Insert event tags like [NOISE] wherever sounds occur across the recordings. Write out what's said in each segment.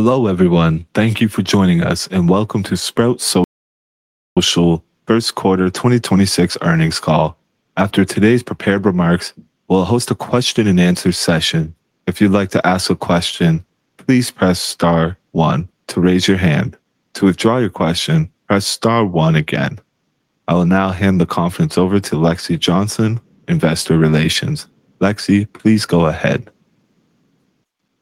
Hello, everyone. Thank you for joining us, and welcome to Sprout Social First Quarter 2026 Earnings Call. After today's prepared remarks, we'll host a question and answer session. If you'd like to ask a question, please press star one to raise your hand. To withdraw your question, press star one again. I will now hand the conference over to Lexi Johnson, Investor Relations. Lexi, please go ahead.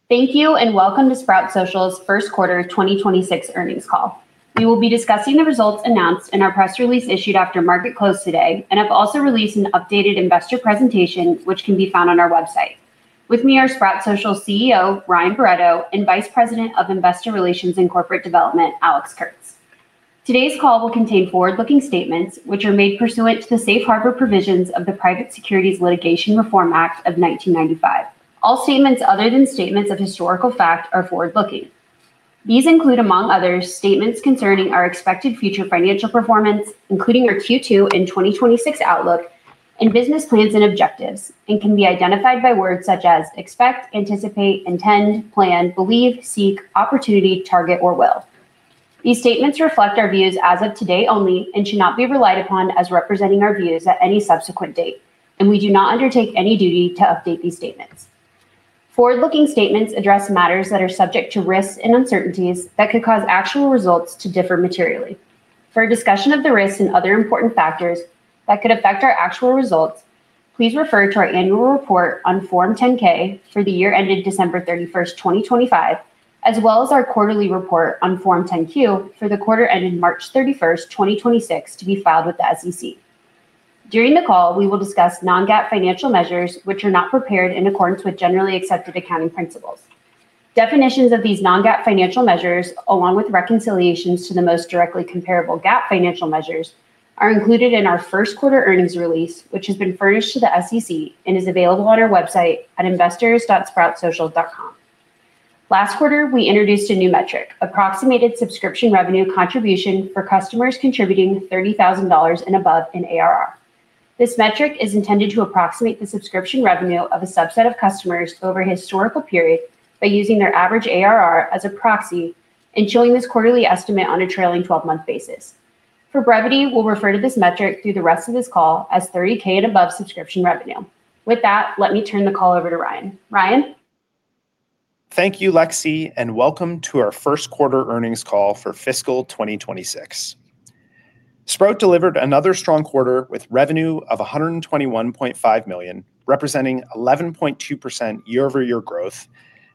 Thank you, and welcome to Sprout Social's First Quarter 2026 Earnings Call. We will be discussing the results announced in our press release issued after market close today, and have also released an updated investor presentation, which can be found on our website. With me are Sprout Social CEO, Ryan Barretto, and Vice President of Investor Relations and Corporate Development, Alex Kurtz. Today's call will contain forward-looking statements, which are made pursuant to the safe harbor provisions of the Private Securities Litigation Reform Act of 1995. All statements other than statements of historical fact are forward-looking. These include, among others, statements concerning our expected future financial performance, including our Q2 and 2026 outlook and business plans and objectives, and can be identified by words such as expect, anticipate, intend, plan, believe, seek, opportunity, target, or will. These statements reflect our views as of today only and should not be relied upon as representing our views at any subsequent date, and we do not undertake any duty to update these statements. Forward-looking statements address matters that are subject to risks and uncertainties that could cause actual results to differ materially. For a discussion of the risks and other important factors that could affect our actual results, please refer to our annual report on Form 10-K for the year ended December 31st, 2025, as well as our quarterly report on Form 10-Q for the quarter ending March 31st, 2026, to be filed with the SEC. During the call, we will discuss non-GAAP financial measures, which are not prepared in accordance with generally accepted accounting principles. Definitions of these non-GAAP financial measures, along with reconciliations to the most directly comparable GAAP financial measures, are included in our first quarter earnings release, which has been furnished to the SEC and is available on our website at investors.sproutsocial.com. Last quarter, we introduced a new metric, approximated subscription revenue contribution for customers contributing $30,000 and above in ARR. This metric is intended to approximate the subscription revenue of a subset of customers over a historical period by using their average ARR as a proxy and showing this quarterly estimate on a trailing 12-month basis. For brevity, we'll refer to this metric through the rest of this call as $30,000 and above subscription revenue. With that, let me turn the call over to Ryan. Ryan? Thank you, Lexi, and welcome to our first quarter earnings call for fiscal 2026. Sprout delivered another strong quarter with revenue of $121.5 million, representing 11.2% year-over-year growth,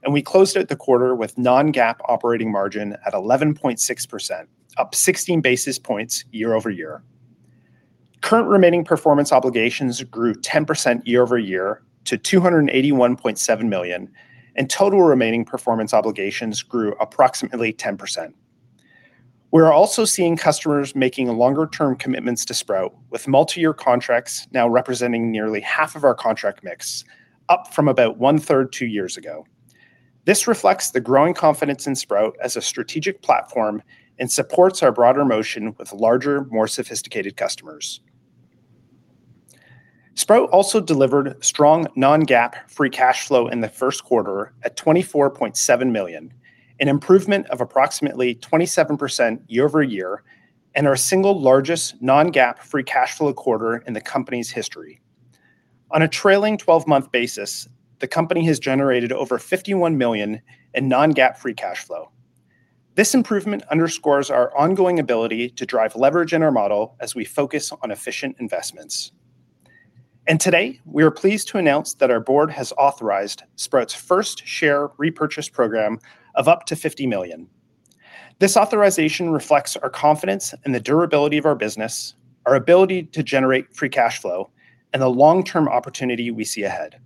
and we closed out the quarter with non-GAAP operating margin at 11.6%, up 16 basis points year-over-year. Current remaining performance obligations grew 10% year-over-year to $281.7 million, and total remaining performance obligations grew approximately 10%. We're also seeing customers making longer term commitments to Sprout with multi-year contracts now representing nearly half of our contract mix, up from about 1/3 two years ago. This reflects the growing confidence in Sprout as a strategic platform and supports our broader motion with larger, more sophisticated customers. Sprout also delivered strong non-GAAP free cash flow in the first quarter at $24.7 million, an improvement of approximately 27% year-over-year and our single largest non-GAAP free cash flow quarter in the company's history. On a trailing 12-month basis, the company has generated over $51 million in non-GAAP free cash flow. This improvement underscores our ongoing ability to drive leverage in our model as we focus on efficient investments. Today, we are pleased to announce that our board has authorized Sprout's first share repurchase program of up to $50 million. This authorization reflects our confidence in the durability of our business, our ability to generate free cash flow, and the long-term opportunity we see ahead.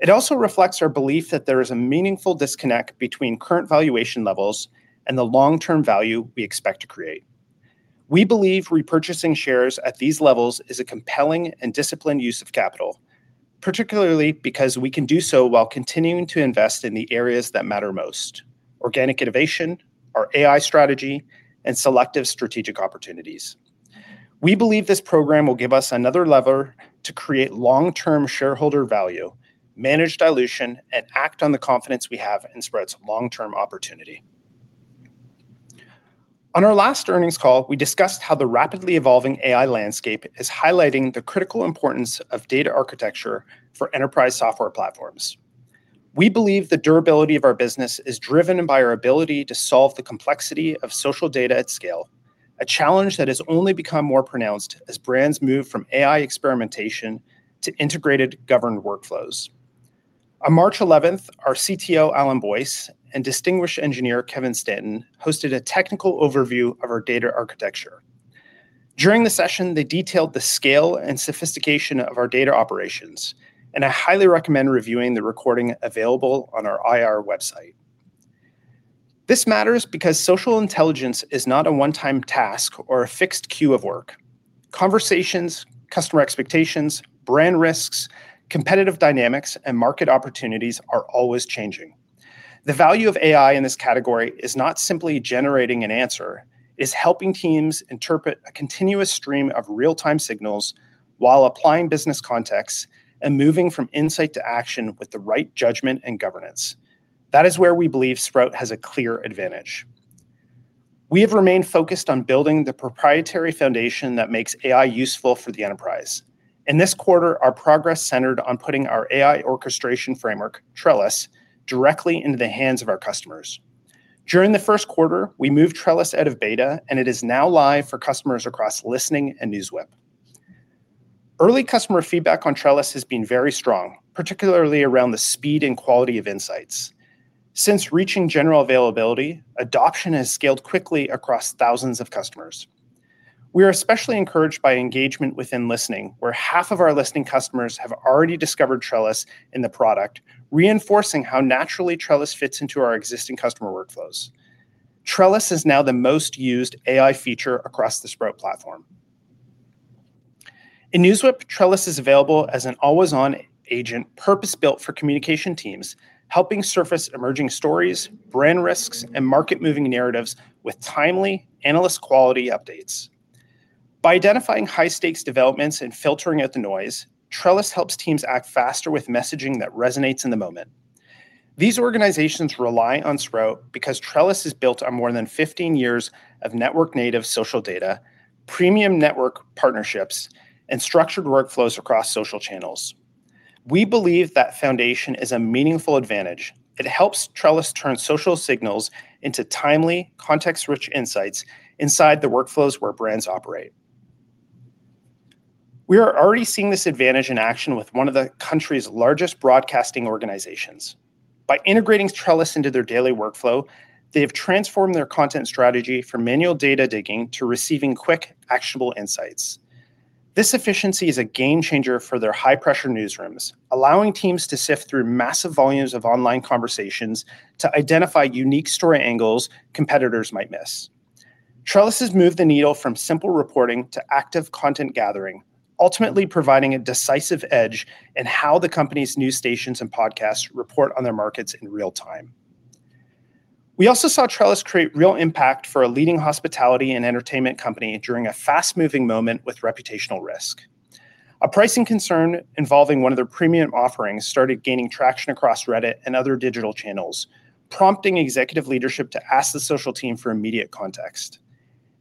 It also reflects our belief that there is a meaningful disconnect between current valuation levels and the long-term value we expect to create. We believe repurchasing shares at these levels is a compelling and disciplined use of capital, particularly because we can do so while continuing to invest in the areas that matter most: organic innovation, our AI strategy, and selective strategic opportunities. We believe this program will give us another lever to create long-term shareholder value, manage dilution, and act on the confidence we have in Sprout's long-term opportunity. On our last earnings call, we discussed how the rapidly evolving AI landscape is highlighting the critical importance of data architecture for enterprise software platforms. We believe the durability of our business is driven by our ability to solve the complexity of social data at scale, a challenge that has only become more pronounced as brands move from AI experimentation to integrated governed workflows. On March 11th, our CTO, Alan Boyce, and distinguished engineer, Kevin Stanton, hosted a technical overview of our data architecture. During the session, they detailed the scale and sophistication of our data operations. I highly recommend reviewing the recording available on our IR website. This matters because social intelligence is not a one-time task or a fixed queue of work. Conversations, customer expectations, brand risks, competitive dynamics, and market opportunities are always changing. The value of AI in this category is not simply generating an answer. It is helping teams interpret a continuous stream of real-time signals while applying business context and moving from insight to action with the right judgment and governance. That is where we believe Sprout has a clear advantage. We have remained focused on building the proprietary foundation that makes AI useful for the enterprise. In this quarter, our progress centered on putting our AI orchestration framework, Trellis, directly into the hands of our customers. During the first quarter, we moved Trellis out of beta, and it is now live for customers across Listening and NewsWhip. Early customer feedback on Trellis has been very strong, particularly around the speed and quality of insights. Since reaching general availability, adoption has scaled quickly across thousands of customers. We are especially encouraged by engagement within Listening, where half of our Listening customers have already discovered Trellis in the product, reinforcing how naturally Trellis fits into our existing customer workflows. Trellis is now the most used AI feature across the Sprout platform. In NewsWhip, Trellis is available as an always-on agent purpose-built for communication teams, helping surface emerging stories, brand risks, and market-moving narratives with timely analyst quality updates. By identifying high-stakes developments and filtering out the noise, Trellis helps teams act faster with messaging that resonates in the moment. These organizations rely on Sprout because Trellis is built on more than 15 years of network-native social data, premium network partnerships, and structured workflows across social channels. We believe that foundation is a meaningful advantage. It helps Trellis turn social signals into timely, context-rich insights inside the workflows where brands operate. We are already seeing this advantage in action with one of the country's largest broadcasting organizations. By integrating Trellis into their daily workflow, they have transformed their content strategy from manual data digging to receiving quick, actionable insights. This efficiency is a game-changer for their high-pressure newsrooms, allowing teams to sift through massive volumes of online conversations to identify unique story angles competitors might miss. Trellis has moved the needle from simple reporting to active content gathering, ultimately providing a decisive edge in how the company's news stations and podcasts report on their markets in real time. We also saw Trellis create real impact for a leading hospitality and entertainment company during a fast-moving moment with reputational risk. A pricing concern involving one of their premium offerings started gaining traction across Reddit and other digital channels, prompting executive leadership to ask the social team for immediate context.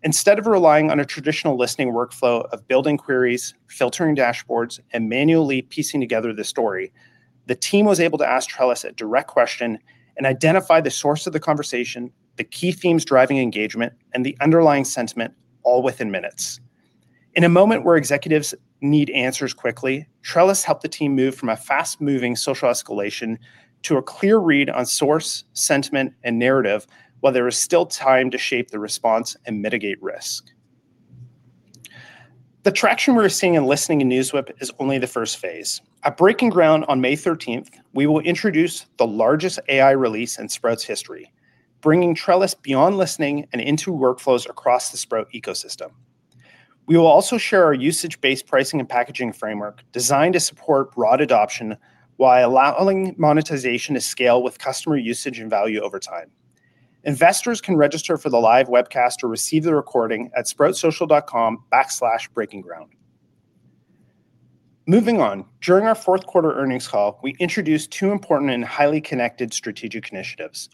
Instead of relying on a traditional listening workflow of building queries, filtering dashboards, and manually piecing together the story, the team was able to ask Trellis a direct question and identify the source of the conversation, the key themes driving engagement, and the underlying sentiment all within minutes. In a moment where executives need answers quickly, Trellis helped the team move from a fast-moving social escalation to a clear read on source, sentiment, and narrative while there is still time to shape the response and mitigate risk. The traction we're seeing in Listening and NewsWhip is only the first phase. At Breaking Ground on May 13th, we will introduce the largest AI release in Sprout's history, bringing Trellis beyond listening and into workflows across the Sprout ecosystem. We will also share our usage-based pricing and packaging framework designed to support broad adoption while allowing monetization to scale with customer usage and value over time. Investors can register for the live webcast or receive the recording at sproutsocial.com/breakingground. Moving on, during our fourth quarter earnings call, we introduced two important and highly connected strategic initiatives.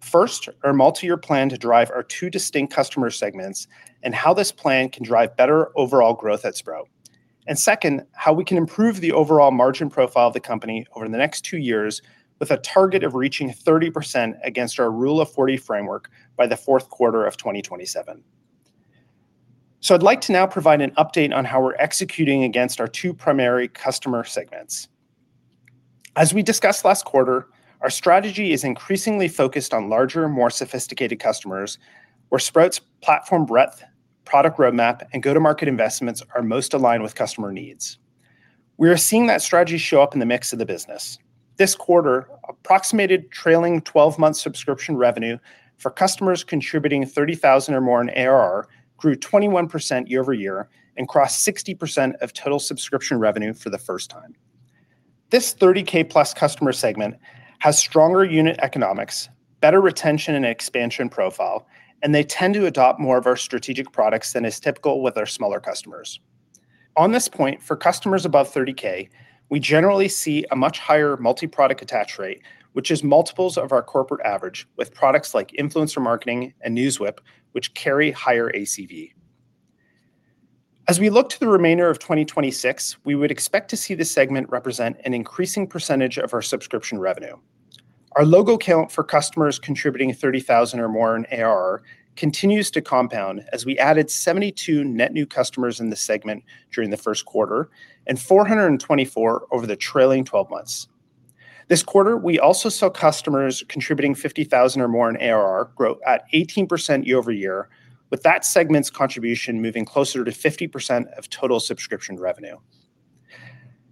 First, our multi-year plan to drive our two distinct customer segments and how this plan can drive better overall growth at Sprout. Second, how we can improve the overall margin profile of the company over the next two years with a target of reaching 30% against our Rule of 40 framework by the fourth quarter of 2027. I'd like to now provide an update on how we're executing against our two primary customer segments. As we discussed last quarter, our strategy is increasingly focused on larger, more sophisticated customers, where Sprout's platform breadth, product roadmap, and go-to-market investments are most aligned with customer needs. We are seeing that strategy show up in the mix of the business. This quarter, approximated trailing 12-month subscription revenue for customers contributing $30,000 or more in ARR grew 21% year-over-year and crossed 60% of total subscription revenue for the first time. This $30,000+ customer segment has stronger unit economics, better retention and expansion profile, and they tend to adopt more of our strategic products than is typical with our smaller customers. On this point, for customers above $30,000, we generally see a much higher multi-product attach rate, which is multiples of our corporate average with products like Influencer Marketing and NewsWhip, which carry higher ACV. As we look to the remainder of 2026, we would expect to see this segment represent an increasing percentage of our subscription revenue. Our logo count for customers contributing $30,000 or more in ARR continues to compound as we added 72 net new customers in the segment during the first quarter and 424 over the trailing 12 months. This quarter, we also saw customers contributing $50,000 or more in ARR grow at 18% year-over-year, with that segment's contribution moving closer to 50% of total subscription revenue.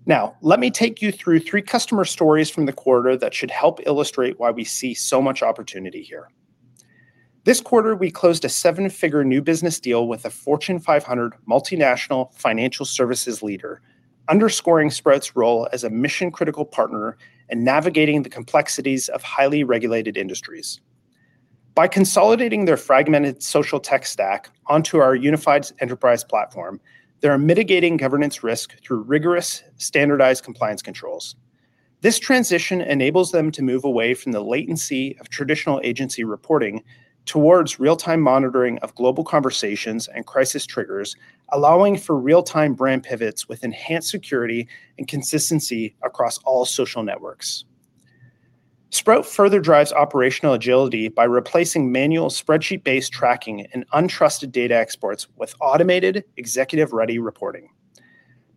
Now, let me take you through three customer stories from the quarter that should help illustrate why we see so much opportunity here. This quarter, we closed a seven-figure new business deal with a Fortune 500 multinational financial services leader. Underscoring Sprout's role as a mission-critical partner in navigating the complexities of highly regulated industries. By consolidating their fragmented social tech stack onto our unified enterprise platform, they are mitigating governance risk through rigorous standardized compliance controls. This transition enables them to move away from the latency of traditional agency reporting towards real-time monitoring of global conversations and crisis triggers, allowing for real-time brand pivots with enhanced security and consistency across all social networks. Sprout further drives operational agility by replacing manual spreadsheet-based tracking and untrusted data exports with automated executive-ready reporting.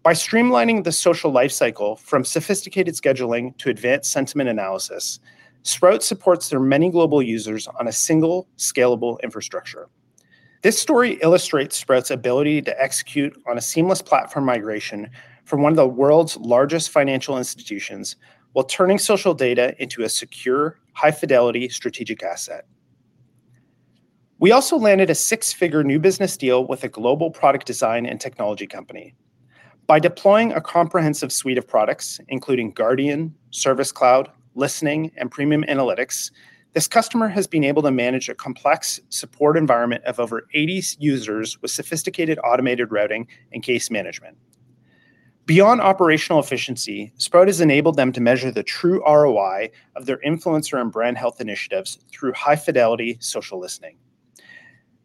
By streamlining the social life cycle from sophisticated scheduling to advanced sentiment analysis, Sprout supports their many global users on a single scalable infrastructure. This story illustrates Sprout's ability to execute on a seamless platform migration from one of the world's largest financial institutions, while turning social data into a secure, high-fidelity strategic asset. We also landed a 6-figure new business deal with a global product design and technology company. By deploying a comprehensive suite of products, including Guardian, Service Cloud, Listening, and Premium Analytics, this customer has been able to manage a complex support environment of over 80 users with sophisticated automated routing and case management. Beyond operational efficiency, Sprout has enabled them to measure the true ROI of their influencer and brand health initiatives through high-fidelity social listening.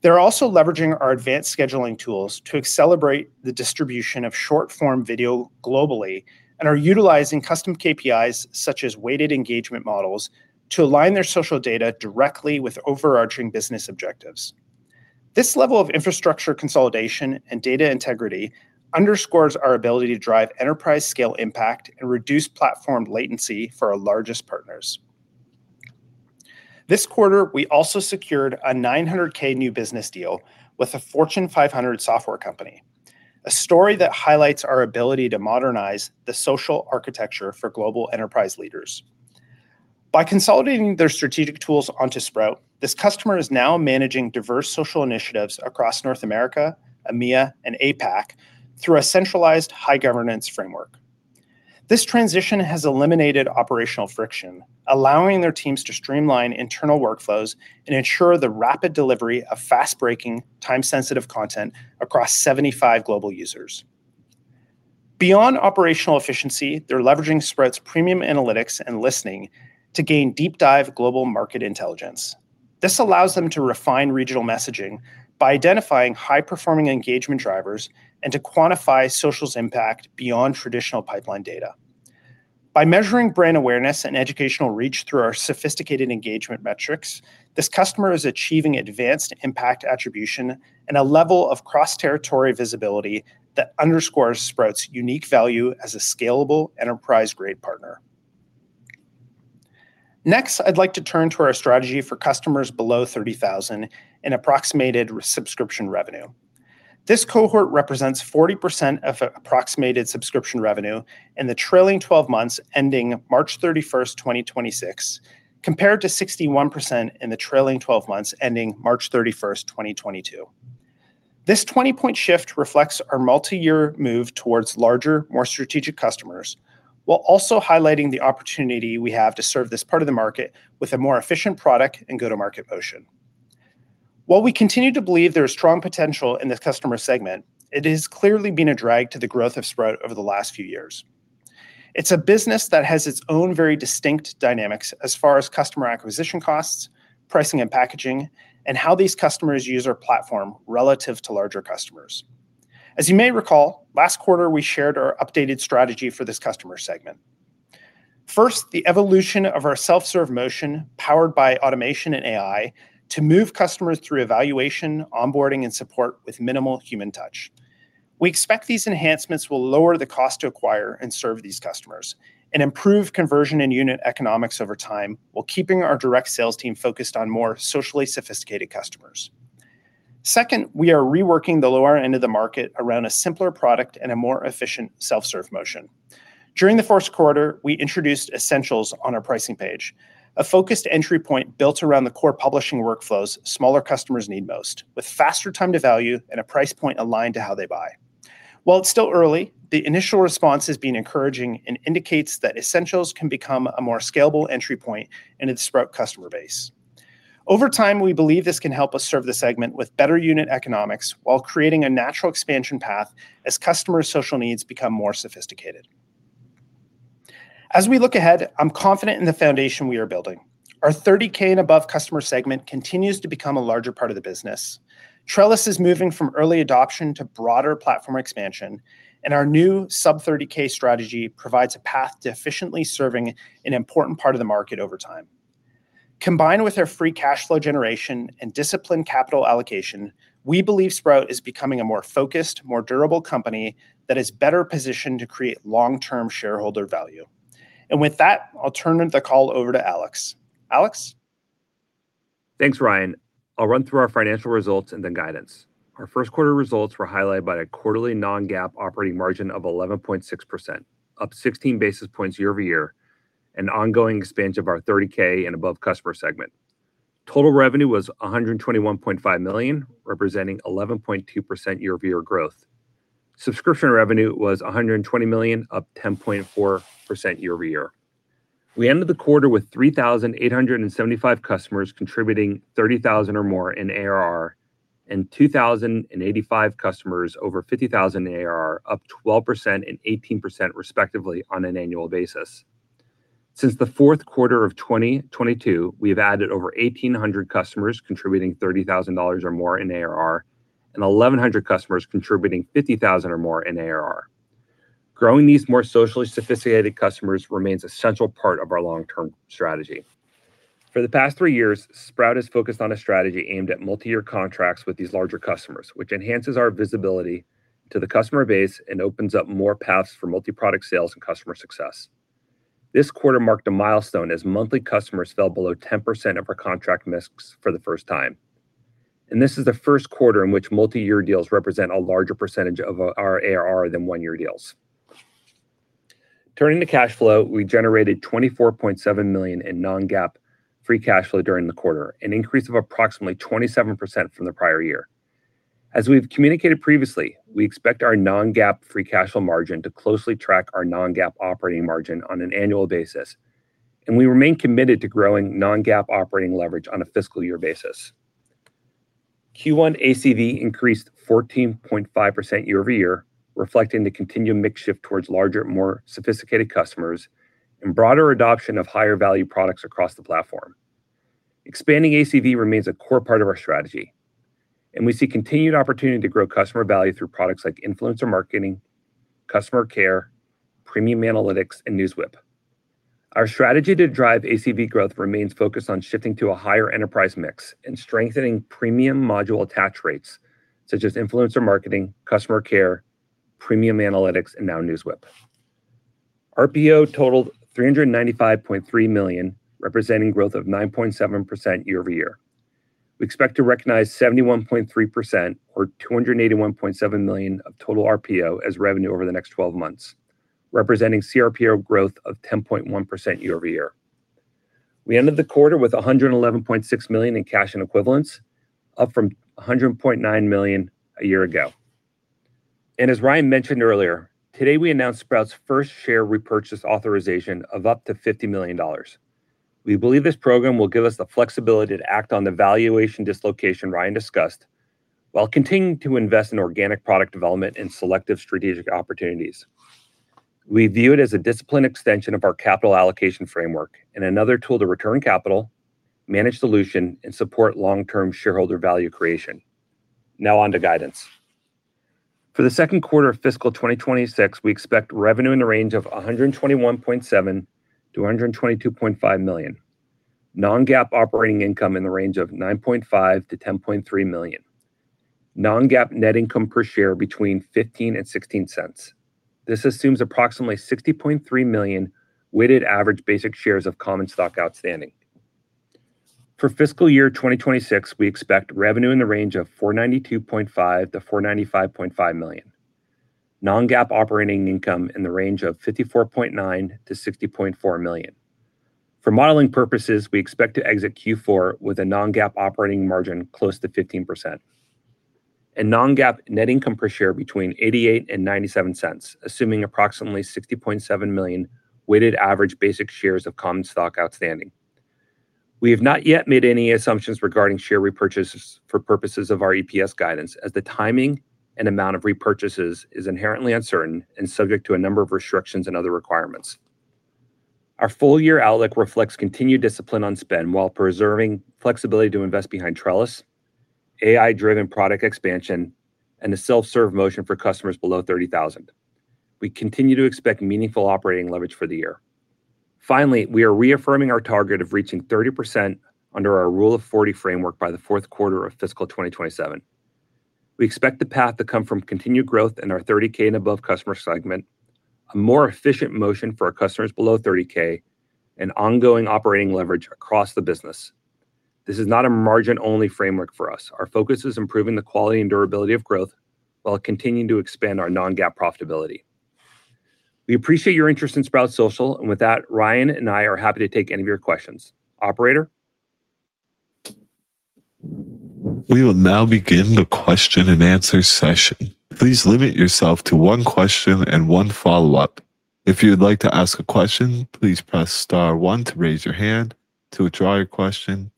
They're also leveraging our advanced scheduling tools to accelerate the distribution of short-form video globally, and are utilizing custom KPIs, such as weighted engagement models, to align their social data directly with overarching business objectives. This level of infrastructure consolidation and data integrity underscores our ability to drive enterprise-scale impact and reduce platform latency for our largest partners. This quarter, we also secured a $900,000 new business deal with a Fortune 500 software company, a story that highlights our ability to modernize the social architecture for global enterprise leaders. By consolidating their strategic tools onto Sprout, this customer is now managing diverse social initiatives across North America, EMEA, and APAC through a centralized high-governance framework. This transition has eliminated operational friction, allowing their teams to streamline internal workflows and ensure the rapid delivery of fast-breaking, time-sensitive content across 75 global users. Beyond operational efficiency, they're leveraging Sprout's Premium Analytics and Listening to gain deep-dive global market intelligence. This allows them to refine regional messaging by identifying high-performing engagement drivers and to quantify social's impact beyond traditional pipeline data. By measuring brand awareness and educational reach through our sophisticated engagement metrics, this customer is achieving advanced impact attribution and a level of cross-territory visibility that underscores Sprout's unique value as a scalable enterprise-grade partner. I'd like to turn to our strategy for customers below $30,000 in approximated subscription revenue. This cohort represents 40% of approximated subscription revenue in the trailing 12 months ending March 31st, 2026, compared to 61% in the trailing 12 months ending March 31st, 2022. This 20-point shift reflects our multi-year move towards larger, more strategic customers, while also highlighting the opportunity we have to serve this part of the market with a more efficient product and go-to-market motion. We continue to believe there is strong potential in this customer segment, it has clearly been a drag to the growth of Sprout over the last few years. It's a business that has its own very distinct dynamics as far as customer acquisition costs, pricing and packaging, and how these customers use our platform relative to larger customers. As you may recall, last quarter we shared our updated strategy for this customer segment. First, the evolution of our self-serve motion, powered by automation and AI, to move customers through evaluation, onboarding, and support with minimal human touch. We expect these enhancements will lower the cost to acquire and serve these customers and improve conversion and unit economics over time, while keeping our direct sales team focused on more socially sophisticated customers. Second, we are reworking the lower end of the market around a simpler product and a more efficient self-serve motion. During the first quarter, we introduced Essentials on our pricing page, a focused entry point built around the core publishing workflows smaller customers need most, with faster time to value and a price point aligned to how they buy. While it's still early, the initial response has been encouraging and indicates that Essentials can become a more scalable entry point in its Sprout customer base. Over time, we believe this can help us serve the segment with better unit economics while creating a natural expansion path as customers' social needs become more sophisticated. As we look ahead, I'm confident in the foundation we are building. Our $30,000 and above customer segment continues to become a larger part of the business. Trellis is moving from early adoption to broader platform expansion, and our new sub-$30,000 strategy provides a path to efficiently serving an important part of the market over time. Combined with our free cash flow generation and disciplined capital allocation, we believe Sprout is becoming a more focused, more durable company that is better positioned to create long-term shareholder value. With that, I'll turn the call over to Alex. Alex? Thanks, Ryan. I'll run through our financial results and then guidance. Our first quarter results were highlighted by a quarterly non-GAAP operating margin of 11.6%, up 16 basis points year-over-year, and ongoing expansion of our $30,000 and above customer segment. Total revenue was $121.5 million, representing 11.2% year-over-year growth. Subscription revenue was $120 million, up 10.4% year-over-year. We ended the quarter with 3,875 customers contributing $30,000 or more in ARR, and 2,085 customers over $50,000 in ARR, up 12% and 18% respectively on an annual basis. Since the fourth quarter of 2022, we have added over 1,800 customers contributing $30,000 or more in ARR, and 1,100 customers contributing $50,000 or more in ARR. Growing these more socially sophisticated customers remains a central part of our long-term strategy. For the past three years, Sprout has focused on a strategy aimed at multi-year contracts with these larger customers, which enhances our visibility to the customer base and opens up more paths for multi-product sales and customer success. This quarter marked a milestone as monthly customers fell below 10% of our contract mix for the first time. This is the first quarter in which multi-year deals represent a larger percentage of our ARR than one-year deals. Turning to cash flow, we generated $24.7 million in non-GAAP free cash flow during the quarter, an increase of approximately 27% from the prior year. As we've communicated previously, we expect our non-GAAP free cash flow margin to closely track our non-GAAP operating margin on an annual basis, and we remain committed to growing non-GAAP operating leverage on a fiscal year basis. Q1 ACV increased 14.5% year-over-year, reflecting the continued mix shift towards larger, more sophisticated customers and broader adoption of higher value products across the platform. Expanding ACV remains a core part of our strategy, and we see continued opportunity to grow customer value through products like Influencer Marketing, customer care, Premium Analytics, and NewsWhip. Our strategy to drive ACV growth remains focused on shifting to a higher enterprise mix and strengthening premium module attach rates such as Influencer Marketing, customer care, Premium Analytics, and now NewsWhip. RPO totaled $395.3 million, representing growth of 9.7% year-over-year. We expect to recognize 71.3% or $281.7 million of total RPO as revenue over the next 12 months, representing CRPO growth of 10.1% year-over-year. We ended the quarter with $111.6 million in cash and equivalents, up from $100.9 million a year ago. As Ryan mentioned earlier, today we announced Sprout's first share repurchase authorization of up to $50 million. We believe this program will give us the flexibility to act on the valuation dislocation Ryan discussed while continuing to invest in organic product development and selective strategic opportunities. We view it as a disciplined extension of our capital allocation framework and another tool to return capital, manage dilution, and support long-term shareholder value creation. Now on to guidance. For the second quarter of fiscal 2026, we expect revenue in the range of $121.7 million-$122.5 million. Non-GAAP operating income in the range of $9.5 million-$10.3 million. Non-GAAP net income per share between $0.15 and $0.16. This assumes approximately 60.3 million weighted average basic shares of common stock outstanding. For fiscal year 2026, we expect revenue in the range of $492.5 million-$495.5 million. Non-GAAP operating income in the range of $54.9 million-$60.4 million. For modeling purposes, we expect to exit Q4 with a non-GAAP operating margin close to 15% and non-GAAP net income per share between $0.88 and $0.97, assuming approximately 60.7 million weighted average basic shares of common stock outstanding. We have not yet made any assumptions regarding share repurchases for purposes of our EPS guidance, as the timing and amount of repurchases is inherently uncertain and subject to a number of restrictions and other requirements. Our full year outlook reflects continued discipline on spend while preserving flexibility to invest behind Trellis, AI-driven product expansion, and the self-serve motion for customers below $30,000. We continue to expect meaningful operating leverage for the year. Finally, we are reaffirming our target of reaching 30% under our Rule of 40 framework by the fourth quarter of fiscal 2027. We expect the path to come from continued growth in our $30,000 and above customer segment, a more efficient motion for our customers below $30,000, and ongoing operating leverage across the business. This is not a margin-only framework for us. Our focus is improving the quality and durability of growth while continuing to expand our non-GAAP profitability. We appreciate your interest in Sprout Social, and with that, Ryan and I are happy to take any of your questions. Operator? Your first question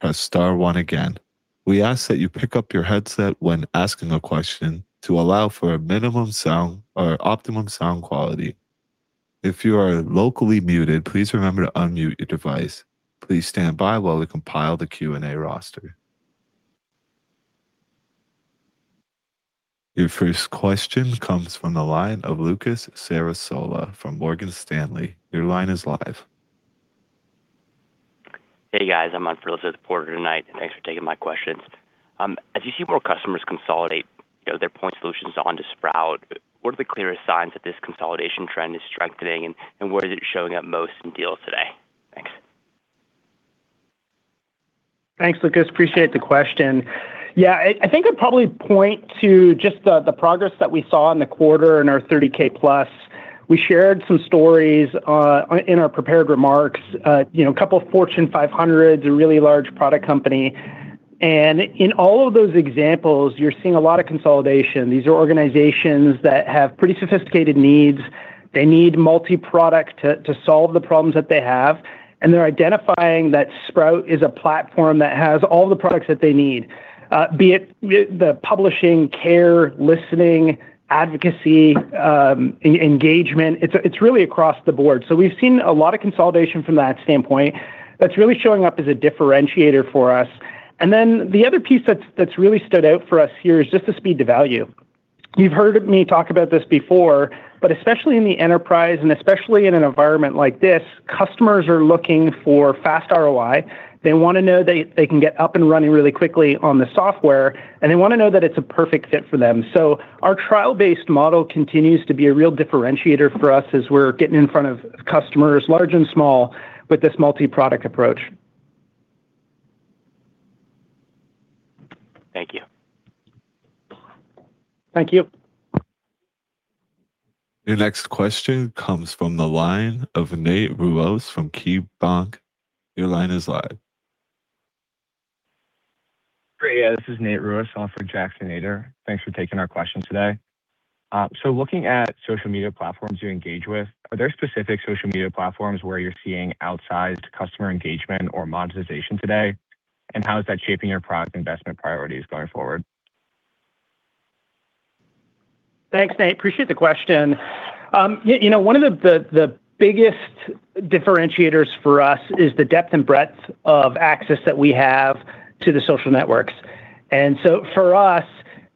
comes from the line of Lucas Cerisola from Morgan Stanley. Your line is live. Hey. [INAUDIBLE] Thanks for taking my questions. As you see more customers consolidate, you know, their point solutions onto Sprout, what are the clearest signs that this consolidation trend is strengthening, and where is it showing up most in deals today? Thanks. Thanks, Lucas. Appreciate the question. Yeah, I think I'd probably point to just the progress that we saw in the quarter in our $30,000+ We shared some stories on, in our prepared remarks. You know, a couple of Fortune 500, a really large product company. In all of those examples, you're seeing a lot of consolidation. These are organizations that have pretty sophisticated needs. They need multi-product to solve the problems that they have. They're identifying that Sprout is a platform that has all the products that they need. Be it the publishing, care, Listening, advocacy, engagement. It's really across the board. We've seen a lot of consolidation from that standpoint that's really showing up as a differentiator for us. The other piece that's really stood out for us here is just the speed to value. You've heard me talk about this before, but especially in the enterprise, and especially in an environment like this, customers are looking for fast ROI. They want to know they can get up and running really quickly on the software, and they want to know that it's a perfect fit for them. Our trial-based model continues to be a real differentiator for us as we're getting in front of customers, large and small, with this multi-product approach. Thank you. Thank you. Your next question comes from the line of Nate Ruoss from KeyBanc. Your line is live. Great. Yeah, this is Nate Ruoss on for Jackson Ader. Thanks for taking our question today. So looking at social media platforms you engage with, are there specific social media platforms where you're seeing outsized customer engagement or monetization today? How is that shaping your product investment priorities going forward? Thanks, Nate. Appreciate the question. You know, one of the biggest differentiators for us is the depth and breadth of access that we have to the social networks. For us,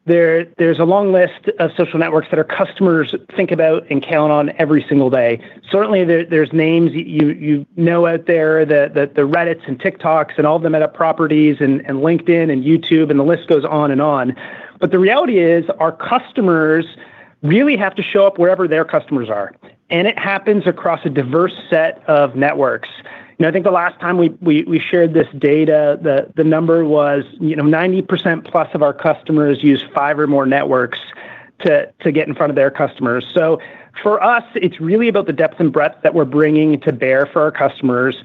there's a long list of social networks that our customers think about and count on every single day. Certainly there's names you know out there, the Reddits and TikToks and all the Meta properties and LinkedIn and YouTube and the list goes on and on. The reality is our customers really have to show up wherever their customers are, and it happens across a diverse set of networks. You know, I think the last time we shared this data, the number was, you know, 90%+ of our customers use five or more networks to get in front of their customers. For us, it's really about the depth and breadth that we're bringing to bear for our customers.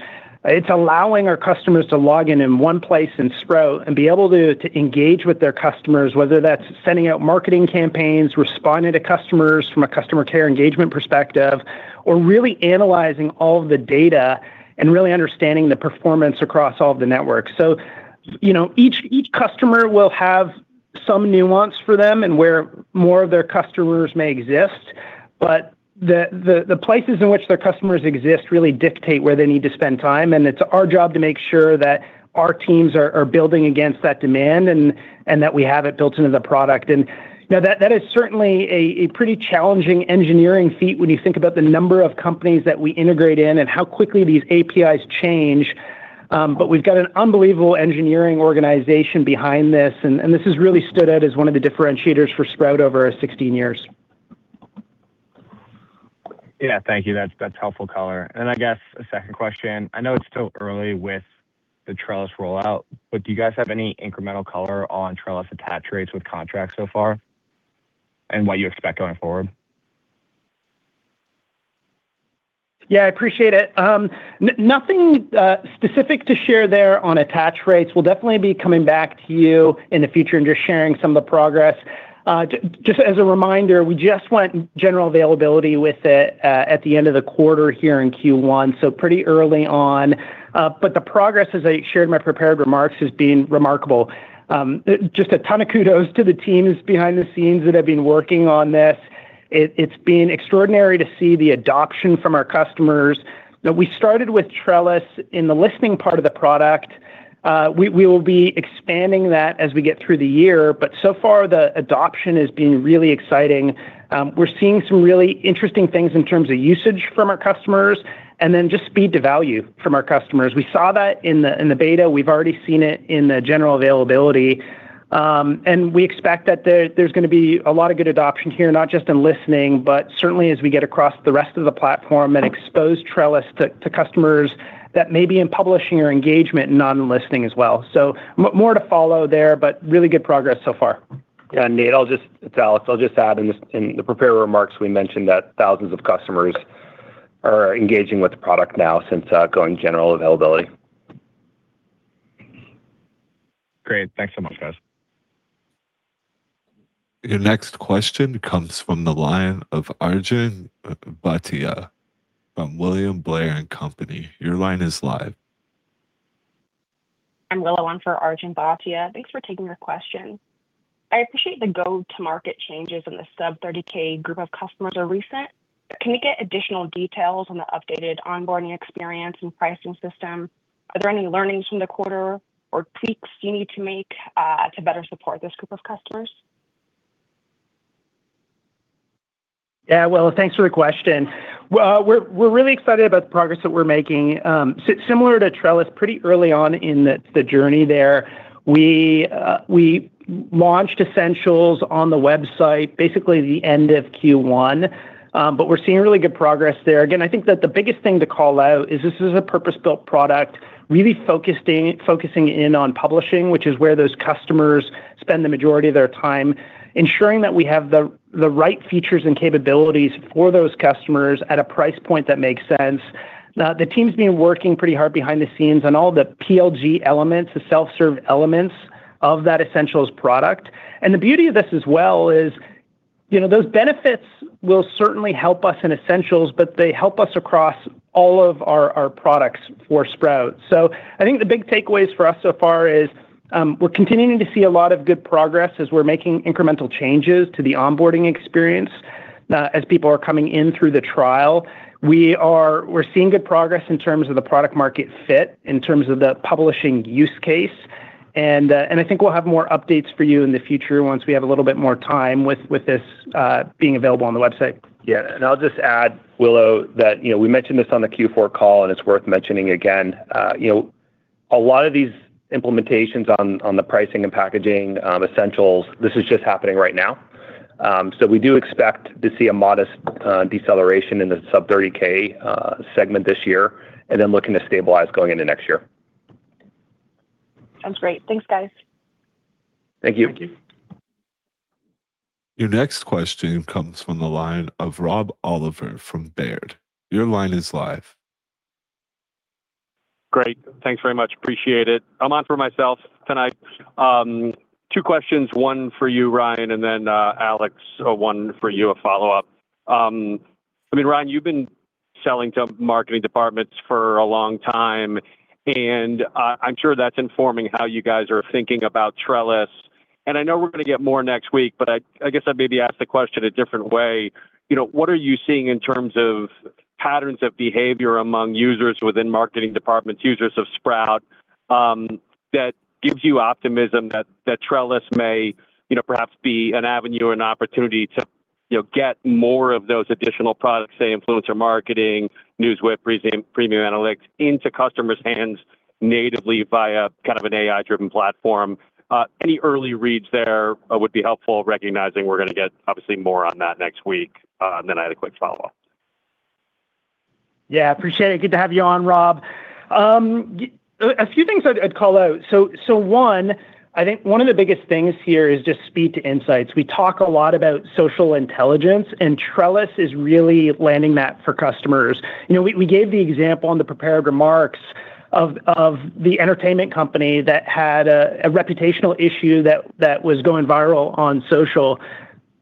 It's allowing our customers to log in in one place in Sprout and be able to engage with their customers, whether that's sending out marketing campaigns, responding to customers from a customer care engagement perspective, or really analyzing all the data and really understanding the performance across all the networks. You know, each customer will have some nuance for them and where more of their customers may exist, but the places in which their customers exist really dictate where they need to spend time. It's our job to make sure that our teams are building against that demand and that we have it built into the product. You know, that is certainly a pretty challenging engineering feat when you think about the number of companies that we integrate in and how quickly these APIs change. We've got an unbelievable engineering organization behind this and this has really stood out as one of the differentiators for Sprout over 16 years. Yeah. Thank you. That's helpful color. I guess a second question. I know it's still early with the Trellis rollout, but do you guys have any incremental color on Trellis attach rates with contracts so far and what you expect going forward? Yeah, I appreciate it. Nothing specific to share there on attach rates. We'll definitely be coming back to you in the future and just sharing some of the progress. Just as a reminder, we just went general availability with it at the end of the quarter here in Q1, so pretty early on. The progress, as I shared in my prepared remarks, has been remarkable. Just a ton of kudos to the teams behind the scenes that have been working on this. It's been extraordinary to see the adoption from our customers. You know, we started with Trellis in the Listening part of the product. We will be expanding that as we get through the year, but so far the adoption has been really exciting. We're seeing some really interesting things in terms of usage from our customers and then just speed to value from our customers. We saw that in the beta. We've already seen it in the general availability. We expect that there's gonna be a lot of good adoption here, not just in Listening, but certainly as we get across the rest of the platform and expose Trellis to customers that may be in publishing or engagement, not in Listening as well. More to follow there, but really good progress so far. Yeah, Nate, It's Alex. I'll just add in this, in the prepared remarks we mentioned that thousands of customers are engaging with the product now since going general availability. Great. Thanks so much, guys. Your next question comes from the line of Arjun Bhatia from William Blair & Company. I'm. [INAUDIBLE] I'm for Arjun Bhatia. Thanks for taking the question. I appreciate the go-to-market changes in the sub $30,000 group of customers are recent. Can we get additional details on the updated onboarding experience and pricing system? Are there any learnings from the quarter or tweaks you need to make to better support this group of customers? Yeah. Well, thanks for the question. Well, we're really excited about the progress that we're making. Similar to Trellis, pretty early on in the journey there, we launched Essentials on the website, basically the end of Q1. But we're seeing really good progress there. Again, I think that the biggest thing to call out is this is a purpose-built product, really focusing in on publishing, which is where those customers spend the majority of their time, ensuring that we have the right features and capabilities for those customers at a price point that makes sense. Now the team's been working pretty hard behind the scenes on all the PLG elements, the self-serve elements of that Essentials product. The beauty of this as well is, you know, those benefits will certainly help us in Essentials, but they help us across all of our products for Sprout. I think the big takeaways for us so far is, we're continuing to see a lot of good progress as we're making incremental changes to the onboarding experience, as people are coming in through the trial. We're seeing good progress in terms of the product market fit, in terms of the publishing use case. I think we'll have more updates for you in the future once we have a little bit more time with this being available on the website. Yeah. I'll just add, Willow, that, you know, we mentioned this on the Q4 call, and it's worth mentioning again. You know, a lot of these implementations on the pricing and packaging, Essentials, this is just happening right now. We do expect to see a modest deceleration in the sub $30,000 segment this year, and then looking to stabilize going into next year. Sounds great. Thanks, guys. Thank you. Thank you. Your next question comes from the line of Rob Oliver from Baird. Your line is live. Great. Thanks very much. Appreciate it. I'm on for myself tonight. Two questions, one for you, Ryan, and then Alex, one for you, a follow-up. I mean, Ryan, you've been selling to marketing departments for a long time, and I'm sure that's informing how you guys are thinking about Trellis. I know we're gonna get more next week, but I guess I'd maybe ask the question a different way. You know, what are you seeing in terms of patterns of behavior among users within marketing departments, users of Sprout, that gives you optimism that Trellis may, you know, perhaps be an avenue or an opportunity to, you know, get more of those additional products, say Influencer Marketing, NewsWhip, Premium Analytics into customers' hands natively via kind of an AI-driven platform? Any early reads there would be helpful, recognizing we're gonna get obviously more on that next week. I had a quick follow-up. Yeah, appreciate it. Good to have you on, Rob. A few things I'd call out. One, I think one of the biggest things here is just speed to insights. We talk a lot about social intelligence, and Trellis is really landing that for customers. You know, we gave the example in the prepared remarks of the entertainment company that had a reputational issue that was going viral on social.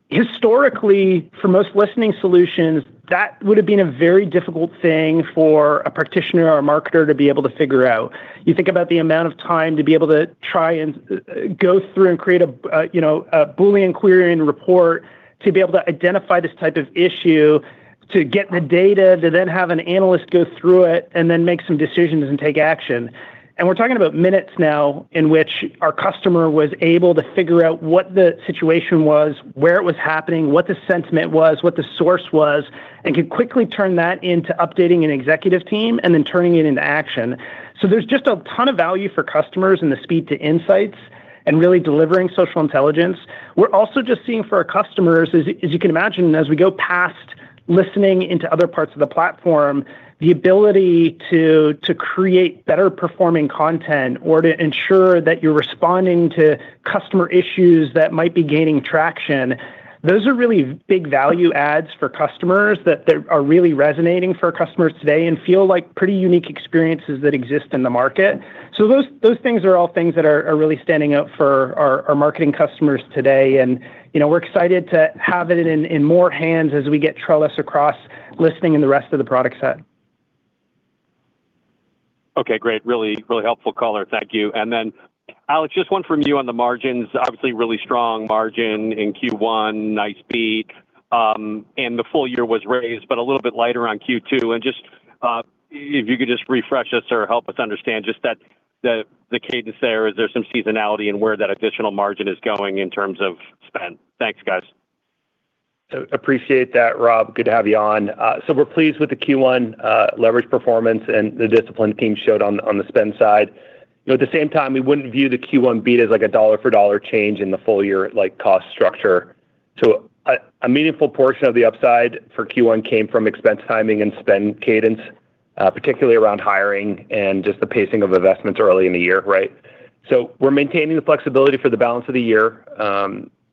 Historically, for most listening solutions, that would've been a very difficult thing for a practitioner or a marketer to be able to figure out. You think about the amount of time to be able to try and go through and create a, you know, a Boolean querying report to be able to identify this type of issue, to get the data, to then have an analyst go through it and then make some decisions and take action. We're talking about minutes now in which our customer was able to figure out what the situation was, where it was happening, what the sentiment was, what the source was, and could quickly turn that into updating an executive team and then turning it into action. There's just a ton of value for customers in the speed to insights and really delivering social intelligence. We're also just seeing for our customers, as you can imagine, as we go past Listening into other parts of the platform, the ability to create better performing content or to ensure that you're responding to customer issues that might be gaining traction. Those are really big value adds for customers that are really resonating for customers today and feel like pretty unique experiences that exist in the market. Those things are all things that are really standing out for our marketing customers today. You know, we're excited to have it in more hands as we get Trellis across Listening and the rest of the product set. Okay, great. Really, really helpful color. Thank you. Then Alex Kurtz, just one from you on the margins. Obviously, really strong margin in Q1, nice beat, the full year was raised, but a little bit lighter on Q2. Just, if you could just refresh us or help us understand just that, the cadence there. Is there some seasonality in where that additional margin is going in terms of spend? Thanks, guys. Appreciate that, Rob. Good to have you on. We're pleased with the Q1 leverage performance and the discipline team showed on the spend side. You know, at the same time, we wouldn't view the Q1 beat as like a dollar for dollar change in the full year, like, cost structure. A meaningful portion of the upside for Q1 came from expense timing and spend cadence, particularly around hiring and just the pacing of investments early in the year, right? We're maintaining the flexibility for the balance of the year,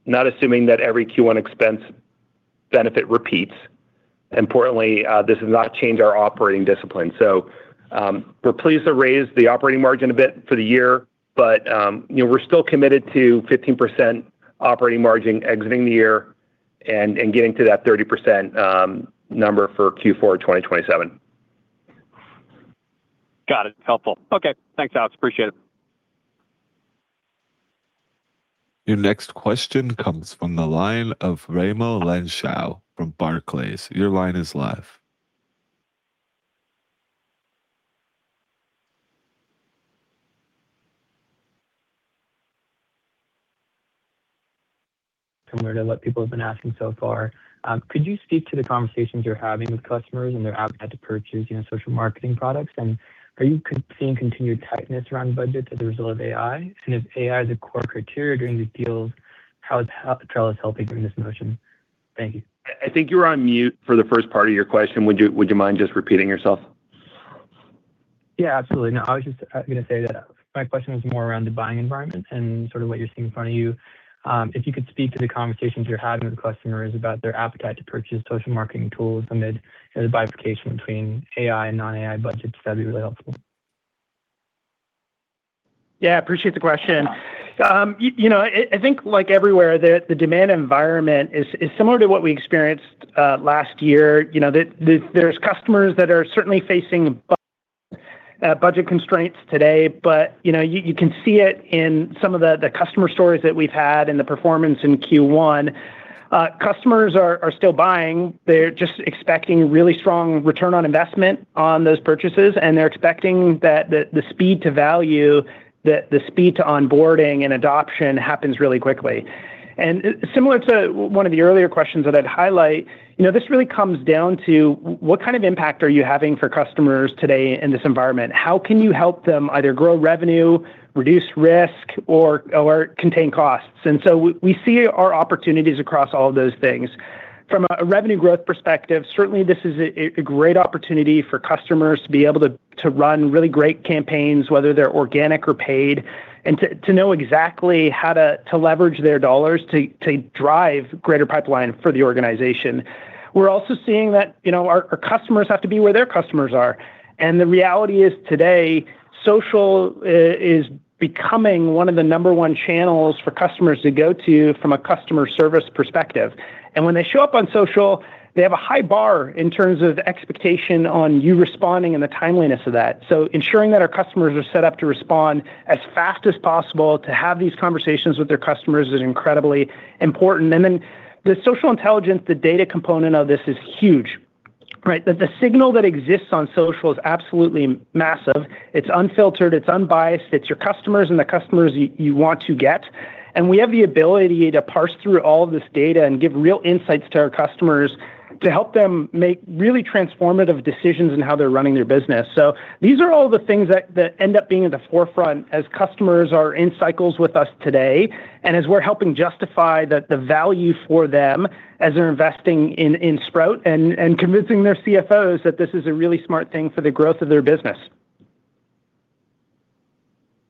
not assuming that every Q1 expense benefit repeats. Importantly, this has not changed our operating discipline. We're pleased to raise the operating margin a bit for the year, but, you know, we're still committed to 15% operating margin exiting the year and getting to that 30% number for Q4 2027. Got it. Helpful. Okay. Thanks, Alex. Appreciate it. Your next question comes from the line of Raimo Lenschow from Barclays. Your line is live. Similar to what people have been asking so far, could you speak to the conversations you're having with customers and their appetite to purchase, you know, social marketing products? Are you seeing continued tightness around budget as a result of AI? If AI is a core criteria during these deals, how is Trellis helping during this motion? Thank you. I think you were on mute for the first part of your question. Would you mind just repeating yourself? Yeah, absolutely. No, I was just gonna say that my question was more around the buying environment and sort of what you're seeing in front of you. If you could speak to the conversations you're having with customers about their appetite to purchase social marketing tools amid the bifurcation between AI and non-AI budgets, that'd be really helpful. Yeah, appreciate the question. You know, I think like everywhere the demand environment is similar to what we experienced last year. You know, there's customers that are certainly facing budget constraints today. You know, you can see it in some of the customer stories that we've had and the performance in Q1. Customers are still buying. They're just expecting really strong return on investment on those purchases, and they're expecting that the speed to value, the speed to onboarding and adoption happens really quickly. Similar to one of the earlier questions that I'd highlight, you know, this really comes down to what kind of impact are you having for customers today in this environment? How can you help them either grow revenue, reduce risk, or contain costs? We, we see our opportunities across all of those things. From a revenue growth perspective, certainly this is a, a great opportunity for customers to be able to run really great campaigns, whether they're organic or paid, and to know exactly how to leverage their dollars to drive greater pipeline for the organization. We're also seeing that, you know, our customers have to be where their customers are. The reality is today, social is becoming one of the number one channels for customers to go to from a customer service perspective. When they show up on social, they have a high bar in terms of the expectation on you responding and the timeliness of that. Ensuring that our customers are set up to respond as fast as possible to have these conversations with their customers is incredibly important. The social intelligence, the data component of this is huge, right? The signal that exists on social is absolutely massive. It's unfiltered, it's unbiased, it's your customers and the customers you want to get. We have the ability to parse through all of this data and give real insights to our customers to help them make really transformative decisions in how they're running their business. These are all the things that end up being at the forefront as customers are in cycles with us today, and as we're helping justify the value for them as they're investing in Sprout and convincing their CFOs that this is a really smart thing for the growth of their business.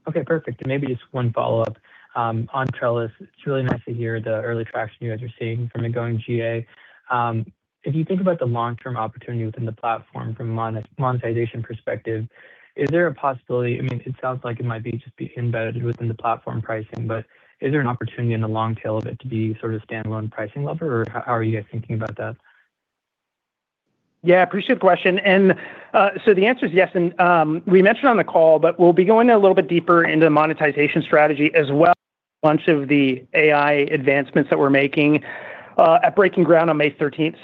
Perfect, and maybe just one follow-up. On Trellis, it's really nice to hear the early traction you guys are seeing from it going GA. If you think about the long-term opportunity within the platform from a monetization perspective, is there a possibility I mean, it sounds like it might be just be embedded within the platform pricing, but is there an opportunity in the long tail of it to be sort of standalone pricing level, or how are you guys thinking about that? Yeah, appreciate the question. The answer is yes. We mentioned on the call, but we'll be going a little bit deeper into the monetization strategy as well as a bunch of the AI advancements that we're making at Breaking Ground on May 13th.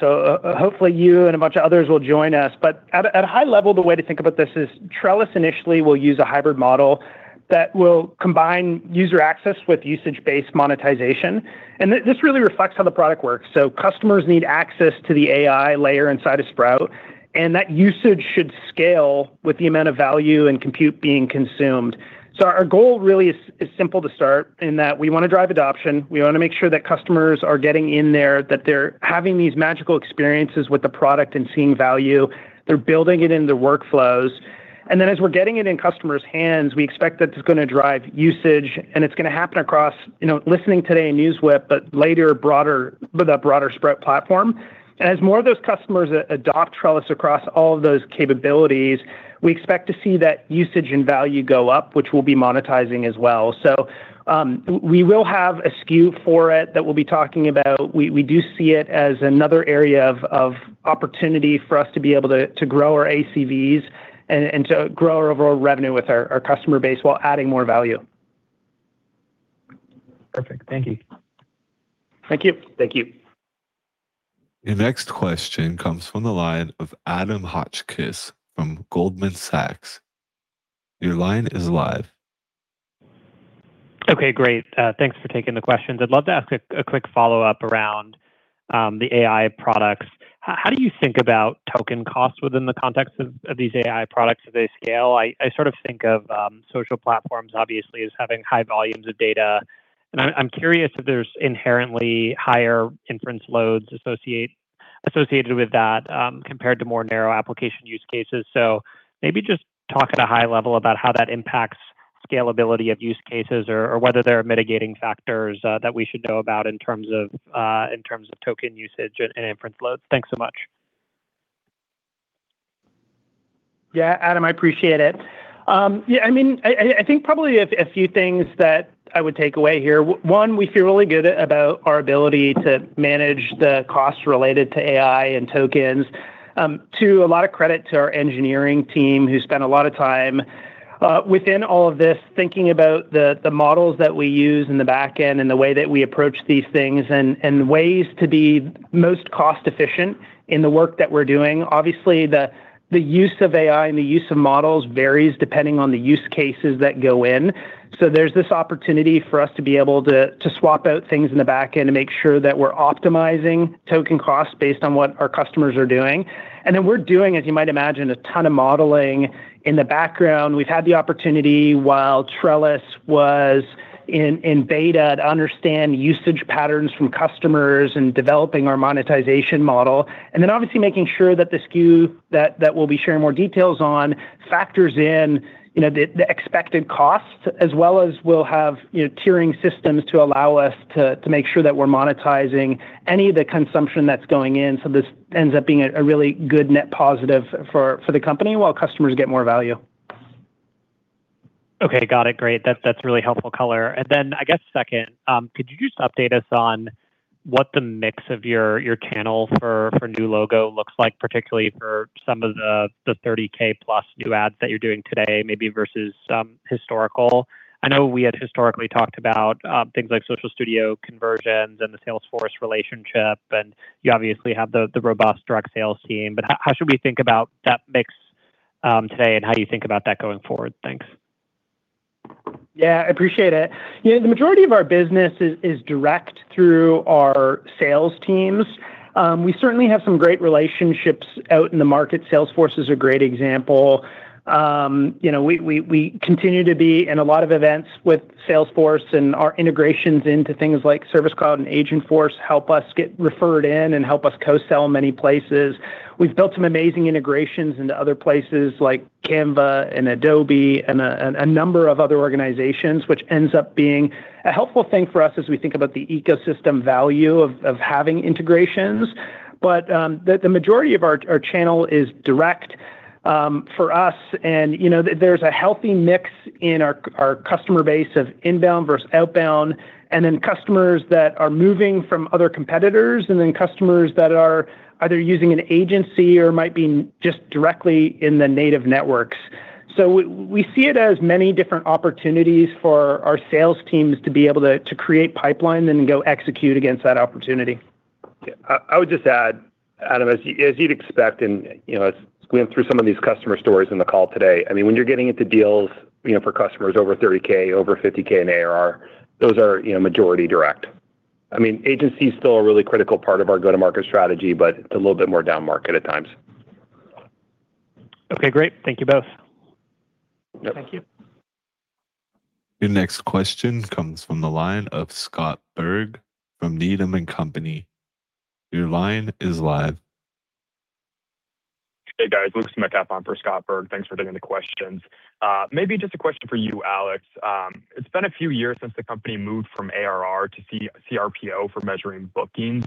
Hopefully you and a bunch of others will join us. At a high level, the way to think about this is Trellis initially will use a hybrid model that will combine user access with usage-based monetization, and this really reflects how the product works. Customers need access to the AI layer inside of Sprout, and that usage should scale with the amount of value and compute being consumed. Our goal really is simple to start, in that we wanna drive adoption. We wanna make sure that customers are getting in there, that they're having these magical experiences with the product and seeing value. They're building it into workflows. Then as we're getting it in customers' hands, we expect that it's gonna drive usage, and it's gonna happen across, you know, Listening today in NewsWhip, but later broader, the broader Sprout platform. As more of those customers adopt Trellis across all of those capabilities, we expect to see that usage and value go up, which we'll be monetizing as well. We will have a SKU for it that we'll be talking about. We do see it as another area of opportunity for us to be able to grow our ACVs and to grow our overall revenue with our customer base while adding more value. Perfect. Thank you. Thank you. Thank you. Your next question comes from the line of Adam Hotchkiss from Goldman Sachs. Your line is live. Okay, great. Thanks for taking the questions. I'd love to ask a quick follow-up around the AI products. How do you think about token costs within the context of these AI products as they scale? I sort of think of social platforms obviously as having high volumes of data, and I'm curious if there's inherently higher inference loads associated with that compared to more narrow application use cases. Maybe just talk at a high level about how that impacts scalability of use cases or whether there are mitigating factors that we should know about in terms of token usage and inference loads. Thanks so much. Yeah, Adam, I appreciate it. Yeah, I mean, I think probably a few things that I would take away here. One, we feel really good about our ability to manage the costs related to AI and tokens. Two, a lot of credit to our engineering team who spent a lot of time within all of this thinking about the models that we use in the back end and the way that we approach these things and ways to be most cost efficient in the work that we're doing. Obviously, the use of AI and the use of models varies depending on the use cases that go in. There's this opportunity for us to be able to swap out things in the back end to make sure that we're optimizing token costs based on what our customers are doing. We're doing, as you might imagine, a ton of modeling in the background. We've had the opportunity while Trellis was in beta to understand usage patterns from customers and developing our monetization model, obviously making sure that the SKU that we'll be sharing more details on factors in, you know, the expected costs as well as we'll have, you know, tiering systems to allow us to make sure that we're monetizing any of the consumption that's going in. This ends up being a really good net positive for the company while customers get more value. Okay. Got it. Great. That's really helpful color. I guess second, could you just update us on what the mix of your channel for new logo looks like, particularly for some of the $30,000+ new ads that you're doing today, maybe versus some historical? I know we had historically talked about things like Social Studio conversions and the Salesforce relationship, and you obviously have the robust direct sales team, but how should we think about that mix today, and how do you think about that going forward? Thanks. Yeah, I appreciate it. You know, the majority of our business is direct through our sales teams. We certainly have some great relationships out in the market. Salesforce is a great example. You know, we continue to be in a lot of events with Salesforce and our integrations into things like Service Cloud and Agentforce help us get referred in and help us co-sell many places. We've built some amazing integrations into other places like Canva and Adobe and a number of other organizations, which ends up being a helpful thing for us as we think about the ecosystem value of having integrations. The majority of our channel is direct for us and, you know, there's a healthy mix in our customer base of inbound versus outbound, and then customers that are moving from other competitors, and then customers that are either using an agency or might be just directly in the native networks. We see it as many different opportunities for our sales teams to be able to create pipeline than go execute against that opportunity. Yeah. I would just add, Adam, as you, as you'd expect and, as we went through some of these customer stories in the call today, when you're getting into deals for customers over $30,000, over $50,000 in ARR, those are majority direct. Agency is still a really critical part of our go-to-market strategy, but it's a little bit more down-market at times. Okay, great. Thank you both. Yep. Thank you. Your next question comes from the line of Scott Berg from Needham & Company. Your line is live. Hey, guys. Luke [INAUDIBLE] on for Scott Berg. Thanks for taking the questions. Maybe just a question for you, Alex. It's been a few years since the company moved from ARR to CRPO for measuring bookings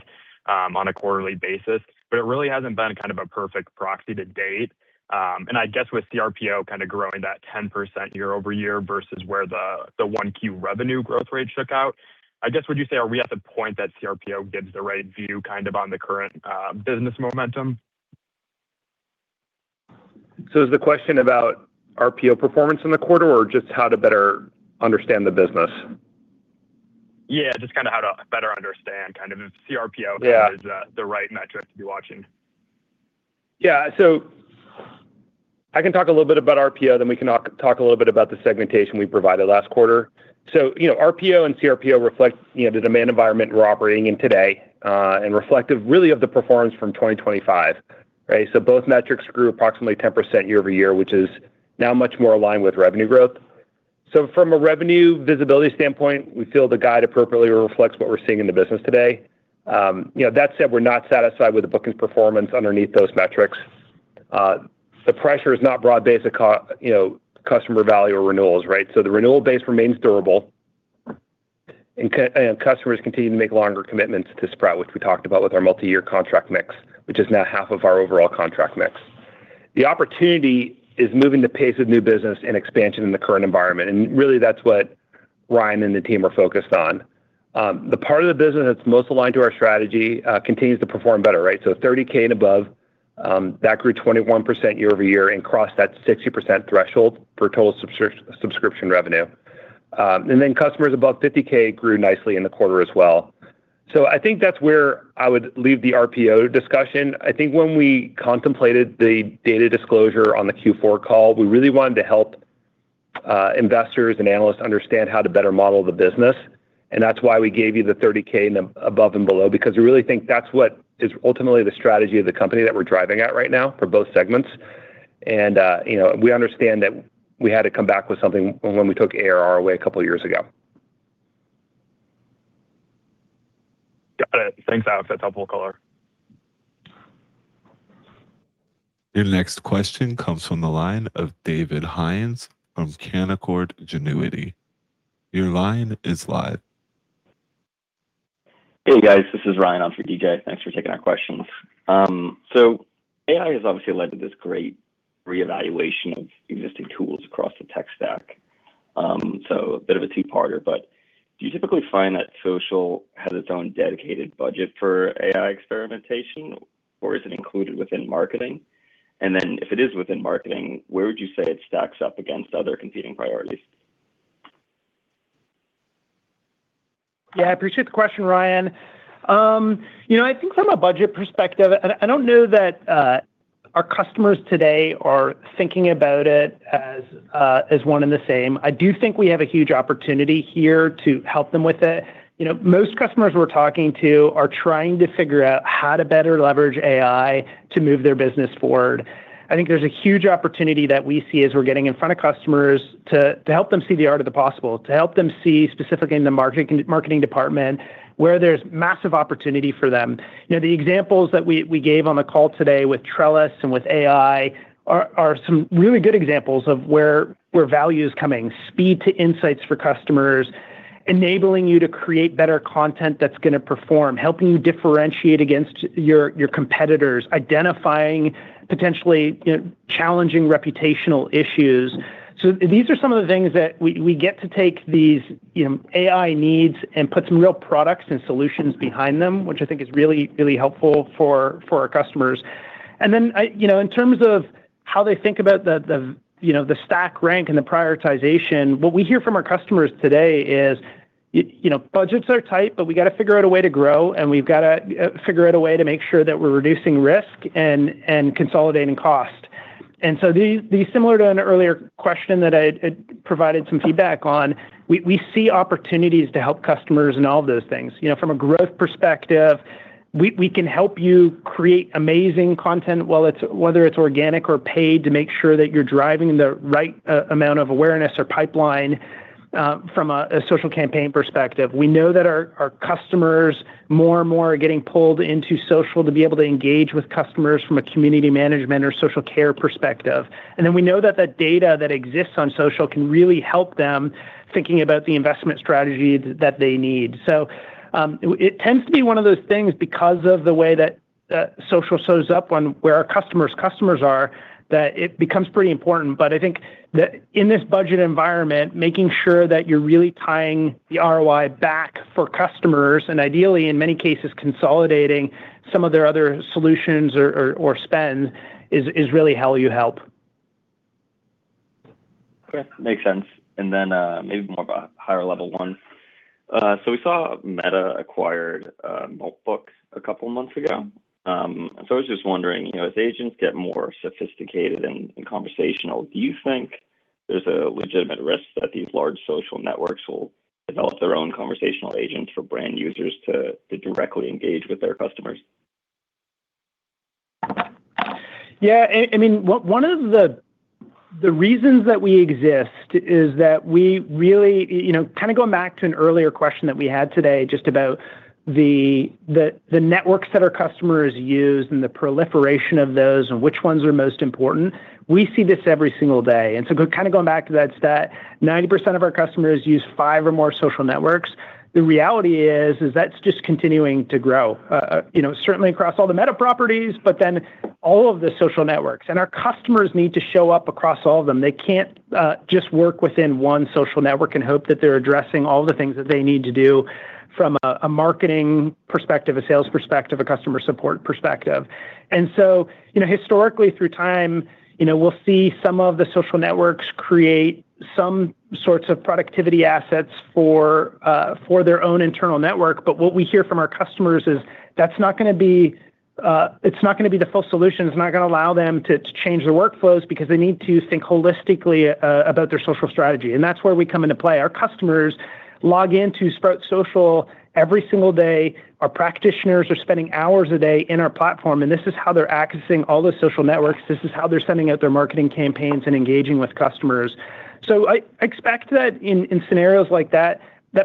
on a quarterly basis, but it really hasn't been kind of a perfect proxy to date. And I guess with CRPO kind of growing that 10% year-over-year versus where the 1Q revenue growth rate shook out, I guess, would you say are we at the point that CRPO gives the right view kind of on the current business momentum? Is the question about RPO performance in the quarter or just how to better understand the business? Yeah, just kinda how to better understand, kind of if CRPO- Yeah is, the right metric to be watching. Yeah. I can talk a little bit about RPO, then we can talk a little bit about the segmentation we provided last quarter. You know, RPO and CRPO reflect, you know, the demand environment we're operating in today, and reflective really of the performance from 2025, right? Both metrics grew approximately 10% year-over-year, which is now much more aligned with revenue growth. From a revenue visibility standpoint, we feel the guide appropriately reflects what we're seeing in the business today. You know, that said, we're not satisfied with the bookings performance underneath those metrics. The pressure is not broad-based, you know, customer value or renewals, right? The renewal base remains durable and customers continue to make longer commitments to Sprout, which we talked about with our multi-year contract mix, which is now half of our overall contract mix. The opportunity is moving the pace of new business and expansion in the current environment, and really that's what Ryan and the team are focused on. The part of the business that's most aligned to our strategy continues to perform better, right? $30,000 and above, that grew 21% year-over-year and crossed that 60% threshold for total subscription revenue. Customers above $50,000 grew nicely in the quarter as well. I think that's where I would leave the RPO discussion. I think when we contemplated the data disclosure on the Q4 call, we really wanted to help investors and analysts understand how to better model the business, and that's why we gave you the $30,000 and the above and below, because we really think that's what is ultimately the strategy of the company that we're driving at right now for both segments. You know, we understand that we had to come back with something when we took ARR away a couple of years ago. Got it. Thanks, Alex. That's helpful color. Your next question comes from the line of David Hynes from Canaccord Genuity. Your line is live. Hey, guys. This is Ryan on for DJ. Thanks for taking our questions. AI has obviously led to this great reevaluation of existing tools across the tech stack. a bit of a two-parter, but do you typically find that social has its own dedicated budget for AI experimentation, or is it included within marketing? If it is within marketing, where would you say it stacks up against other competing priorities? Yeah, I appreciate the question, Ryan. you know, I think from a budget perspective, I don't know that our customers today are thinking about it as one and the same. I do think we have a huge opportunity here to help them with it. You know, most customers we're talking to are trying to figure out how to better leverage AI to move their business forward. I think there's a huge opportunity that we see as we're getting in front of customers to help them see the art of the possible, to help them see, specifically in the marketing department, where there's massive opportunity for them. You know, the examples that we gave on the call today with Trellis and with AI are some really good examples of where value is coming, speed to insights for customers, enabling you to create better content that's gonna perform, helping you differentiate against your competitors, identifying potentially, you know, challenging reputational issues. These are some of the things that we get to take these, you know, AI needs and put some real products and solutions behind them, which I think is really helpful for our customers. You know, in terms of how they think about the, you know, the stack rank and the prioritization, what we hear from our customers today is, you know, budgets are tight, but we gotta figure out a way to grow, and we've gotta figure out a way to make sure that we're reducing risk and consolidating cost. These, similar to an earlier question that I provided some feedback on, we see opportunities to help customers in all of those things. You know, from a growth perspective, we can help you create amazing content, whether it's organic or paid, to make sure that you're driving the right amount of awareness or pipeline from a social campaign perspective. We know that our customers more and more are getting pulled into social to be able to engage with customers from a community management or social care perspective. We know that that data that exists on social can really help them thinking about the investment strategy that they need. It tends to be one of those things because of the way that social shows up on where our customers' customers are, that it becomes pretty important. I think that in this budget environment, making sure that you're really tying the ROI back for customers, and ideally, in many cases, consolidating some of their other solutions or spend is really how you help. Okay. Makes sense. Maybe more of a higher level one. We saw Meta acquired Moltbook a couple months ago. I was just wondering, you know, as agents get more sophisticated and conversational, do you think there's a legitimate risk that these large social networks will develop their own conversational agents for brand users to directly engage with their customers? Yeah. I mean, 1 of the reasons that we exist is that we really, you know, kind of going back to an earlier question that we had today just about the networks that our customers use and the proliferation of those, and which ones are most important, we see this every single day. Kind of going back to that stat, 90% of our customers use five or more social networks. The reality is that's just continuing to grow. You know, certainly across all the Meta properties, all of the social networks. Our customers need to show up across all of them. They can't just work within one social network and hope that they're addressing all the things that they need to do from a marketing perspective, a sales perspective, a customer support perspective. You know, historically, through time, you know, we'll see some of the social networks create some sorts of productivity assets for their own internal network. What we hear from our customers is that's not gonna be, it's not gonna be the full solution. It's not gonna allow them to change their workflows because they need to think holistically about their social strategy, and that's where we come into play. Our customers log into Sprout Social every single day. Our practitioners are spending hours a day in our platform, and this is how they're accessing all the social networks. This is how they're sending out their marketing campaigns and engaging with customers. I expect that in scenarios like that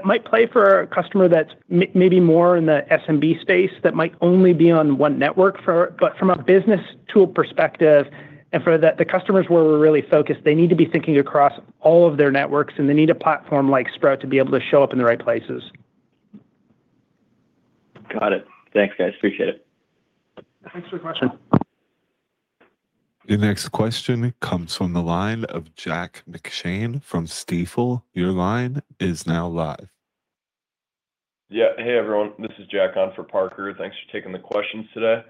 might play for a customer that's maybe more in the SMB space, that might only be on 1 network. From a business tool perspective and for the customers where we're really focused, they need to be thinking across all of their networks, and they need a platform like Sprout to be able to show up in the right places. Got it. Thanks, guys. Appreciate it. Yeah. Thanks for the question. The next question comes from the line of Jack McShane from Stifel. Your line is now live. Yeah. Hey, everyone. This is Jack on for Parker. Thanks for taking the questions today.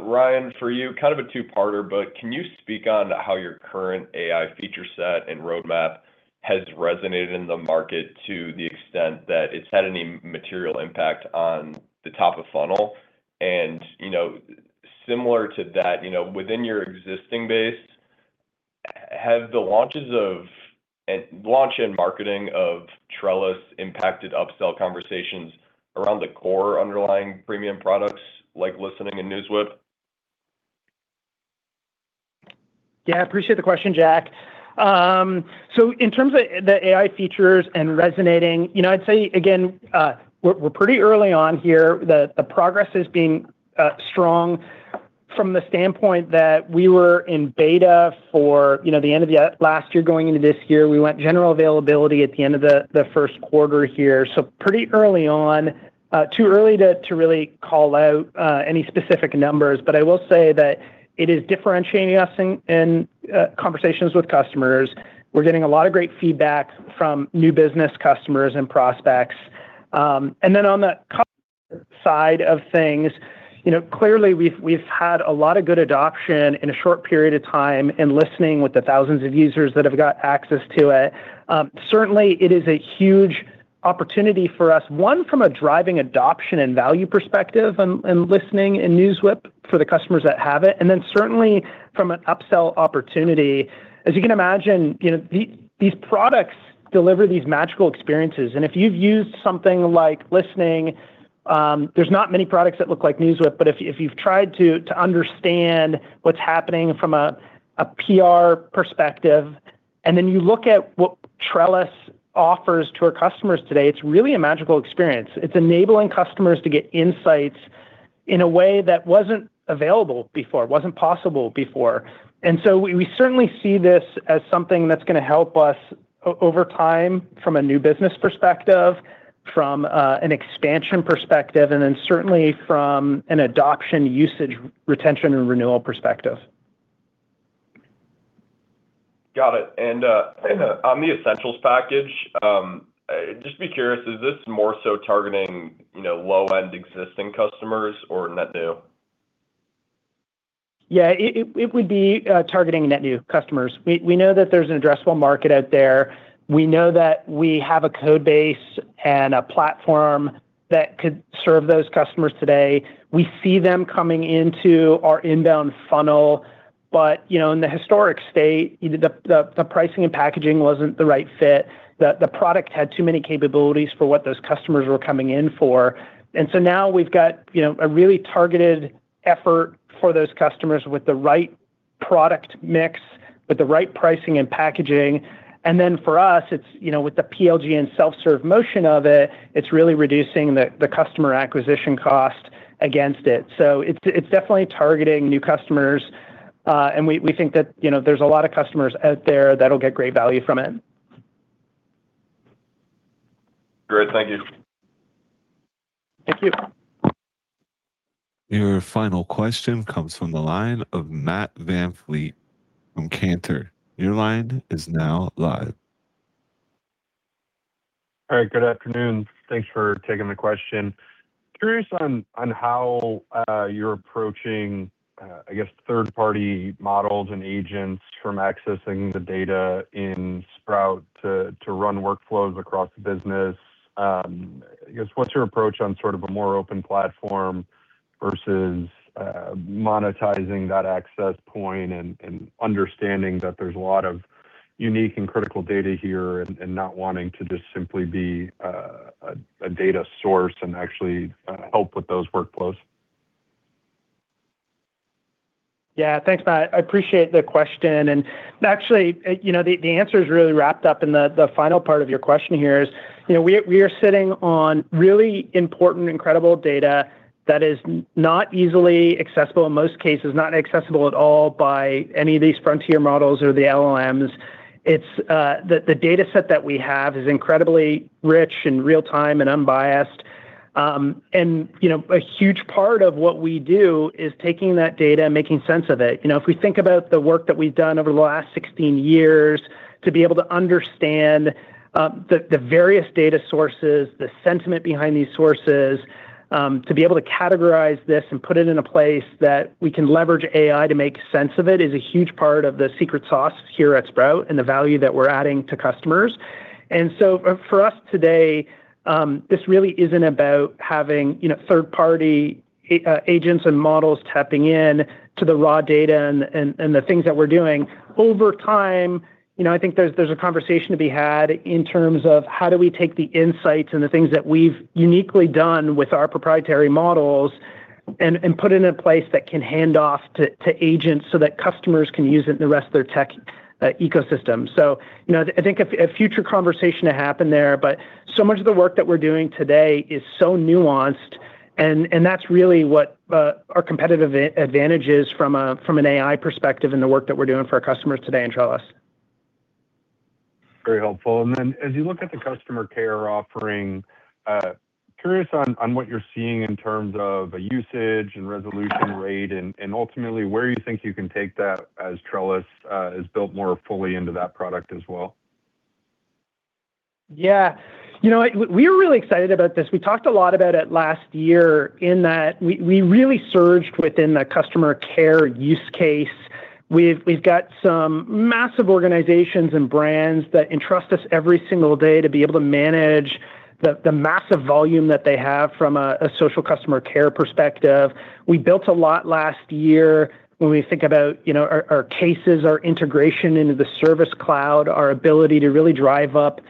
Ryan, for you, kind of a two-parter, can you speak on how your current AI feature set and roadmap has resonated in the market to the extent that it's had any material impact on the top of funnel? You know, similar to that, you know, within your existing base, have the launches of launch and marketing of Trellis impacted upsell conversations around the core underlying premium products like Listening and NewsWhip? Yeah. Appreciate the question, Jack. In terms of the AI features and resonating, you know, I'd say again, we're pretty early on here. The progress has been strong from the standpoint that we were in beta for, you know, the end of last year going into this year. We went general availability at the end of the first quarter here, so pretty early on. Too early to really call out any specific numbers, but I will say that it is differentiating us in conversations with customers. We're getting a lot of great feedback from new business customers and prospects. And then on the side of things, you know, clearly we've had a lot of good adoption in a short period of time in Listening with the thousands of users that have got access to it. Certainly it is a huge opportunity for us, one, from a driving adoption and value perspective and Listening in NewsWhip for the customers that have it, and then certainly from an upsell opportunity. As you can imagine, you know, these products deliver these magical experiences. If you've used something like Listening, there's not many products that look like NewsWhip. If you've tried to understand what's happening from a PR perspective, and then you look at what Trellis offers to our customers today, it's really a magical experience. It's enabling customers to get insights in a way that wasn't available before, wasn't possible before. We certainly see this as something that's gonna help us over time from a new business perspective, from an expansion perspective, and then certainly from an adoption usage, retention, and renewal perspective. Got it. On the Essentials package, just be curious, is this more so targeting, you know, low-end existing customers or net new? It would be targeting net new customers. We know that there's an addressable market out there. We know that we have a code base and a platform that could serve those customers today. We see them coming into our inbound funnel, you know, in the historic state, you know, the pricing and packaging wasn't the right fit. The product had too many capabilities for what those customers were coming in for. Now we've got, you know, a really targeted effort for those customers with the right product mix, with the right pricing and packaging. For us, it's, you know, with the PLG and self-serve motion of it's really reducing the customer acquisition cost against it. It's definitely targeting new customers. We think that, you know, there's a lot of customers out there that'll get great value from it. Great. Thank you. Thank you. Your final question comes from the line of Matt VanVliet from Cantor. All right, good afternoon. Thanks for taking the question. Curious on how you're approaching, I guess, third-party models and agents from accessing the data in Sprout to run workflows across the business. I guess, what's your approach on sort of a more open platform versus monetizing that access point and understanding that there's a lot of unique and critical data here and not wanting to just simply be a data source and actually help with those workflows? Yeah. Thanks, Matt. I appreciate the question. Actually, you know, the answer is really wrapped up in the final part of your question here is, you know, we are sitting on really important, incredible data that is not easily accessible, in most cases, not accessible at all by any of these frontier models or the LLMs. It's the dataset that we have is incredibly rich and real-time and unbiased. You know, a huge part of what we do is taking that data and making sense of it. You know, if we think about the work that we've done over the last 16 years to be able to understand, the various data sources, the sentiment behind these sources, to be able to categorize this and put it in a place that we can leverage AI to make sense of it is a huge part of the secret sauce here at Sprout and the value that we're adding to customers. For us today, this really isn't about having, you know, third party agents and models tapping in to the raw data and the things that we're doing. Over time, you know, I think there's a conversation to be had in terms of how do we take the insights and the things that we've uniquely done with our proprietary models and put it in a place that can hand off to agents so that customers can use it in the rest of their tech ecosystem. You know, I think a future conversation to happen there. So much of the work that we're doing today is so nuanced and that's really what our competitive advantage is from an AI perspective and the work that we're doing for our customers today in Trellis. Very helpful. As you look at the customer care offering, curious on what you're seeing in terms of usage and resolution rate and ultimately where you think you can take that as Trellis is built more fully into that product as well. You know what? We're really excited about this. We talked a lot about it last year in that we really surged within the customer care use case. We've got some massive organizations and brands that entrust us every single day to be able to manage the massive volume that they have from a social customer care perspective. We built a lot last year when we think about, you know, our cases, our integration into the Service Cloud, our ability to really drive up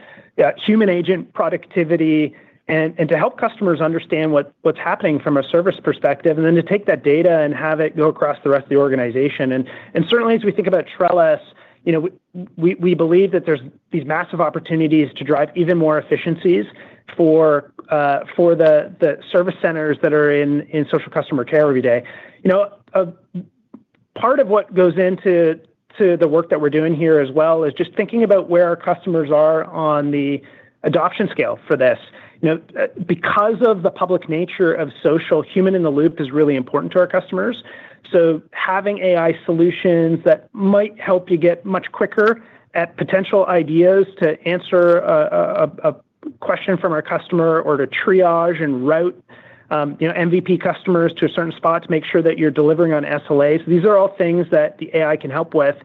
human agent productivity and to help customers understand what's happening from a service perspective, and then to take that data and have it go across the rest of the organization. Certainly as we think about Trellis, we believe that there's these massive opportunities to drive even more efficiencies for the service centers that are in social customer care every day. A part of what goes into the work that we're doing here as well is just thinking about where our customers are on the adoption scale for this. Because of the public nature of social, human in the loop is really important to our customers. Having AI solutions that might help you get much quicker at potential ideas to answer a question from a customer or to triage and route MVP customers to a certain spot to make sure that you're delivering on SLAs. These are all things that the AI can help with.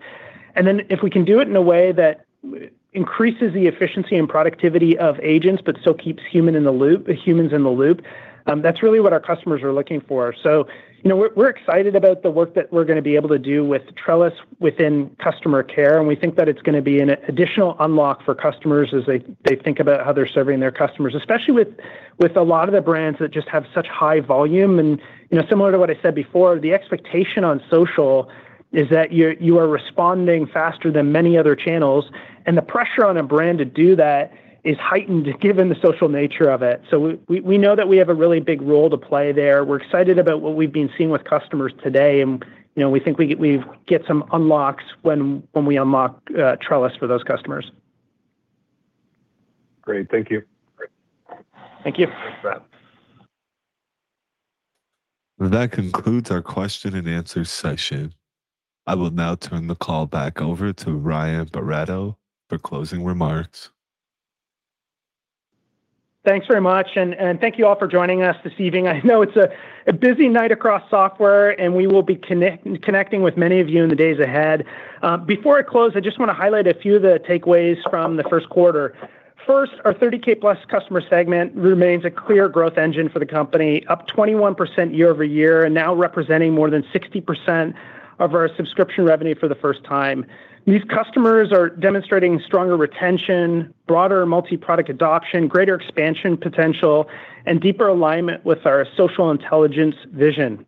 If we can do it in a way that increases the efficiency and productivity of agents, but still keeps humans in the loop, that's really what our customers are looking for. You know, we're excited about the work that we're gonna be able to do with Trellis within customer care, and we think that it's gonna be an additional unlock for customers as they think about how they're serving their customers, especially with a lot of the brands that just have such high volume. You know, similar to what I said before, the expectation on social is that you are responding faster than many other channels, and the pressure on a brand to do that is heightened given the social nature of it. We know that we have a really big role to play there. We're excited about what we've been seeing with customers today and, you know, we think we've get some unlocks when we unlock Trellis for those customers. Great. Thank you. Thank you. Thanks, Brad. That concludes our question and answer session. I will now turn the call back over to Ryan Barretto for closing remarks. Thanks very much, and thank you all for joining us this evening. I know it's a busy night across software, and we will be connecting with many of you in the days ahead. Before I close, I just wanna highlight a few of the takeaways from the first quarter. First, our $30,000+ customer segment remains a clear growth engine for the company, up 21% year-over-year and now representing more than 60% of our subscription revenue for the first time. These customers are demonstrating stronger retention, broader multi-product adoption, greater expansion potential, and deeper alignment with our social intelligence vision.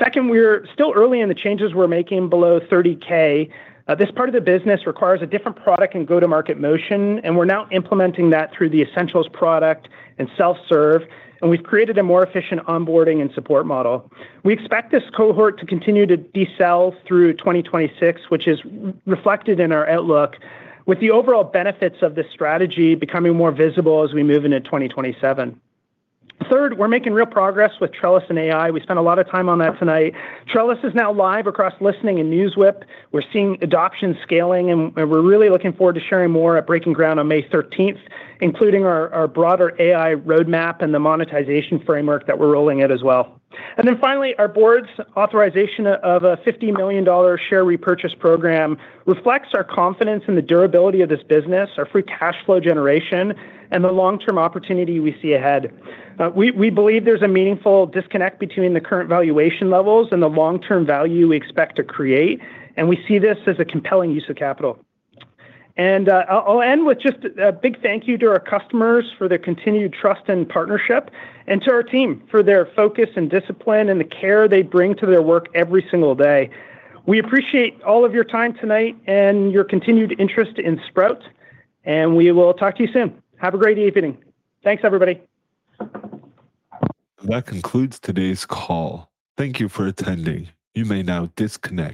Second, we're still early in the changes we're making below $30,000. This part of the business requires a different product and go-to-market motion, and we're now implementing that through the Essentials product and self-serve, and we've created a more efficient onboarding and support model. We expect this cohort to continue to decel through 2026, which is reflected in our outlook, with the overall benefits of this strategy becoming more visible as we move into 2027. Third, we're making real progress with Trellis and AI. We spent a lot of time on that tonight. Trellis is now live across Listening and NewsWhip. We're seeing adoption scaling, and we're really looking forward to sharing more at Breaking Ground on May 13th, including our broader AI roadmap and the monetization framework that we're rolling out as well. Finally, our board's authorization of a $50 million share repurchase program reflects our confidence in the durability of this business, our free cash flow generation, and the long-term opportunity we see ahead. We believe there's a meaningful disconnect between the current valuation levels and the long-term value we expect to create, and we see this as a compelling use of capital. I'll end with just a big thank you to our customers for their continued trust and partnership and to our team for their focus and discipline and the care they bring to their work every single day. We appreciate all of your time tonight and your continued interest in Sprout, and we will talk to you soon. Have a great evening. Thanks, everybody. That concludes today's call. Thank you for attending. You may now disconnect.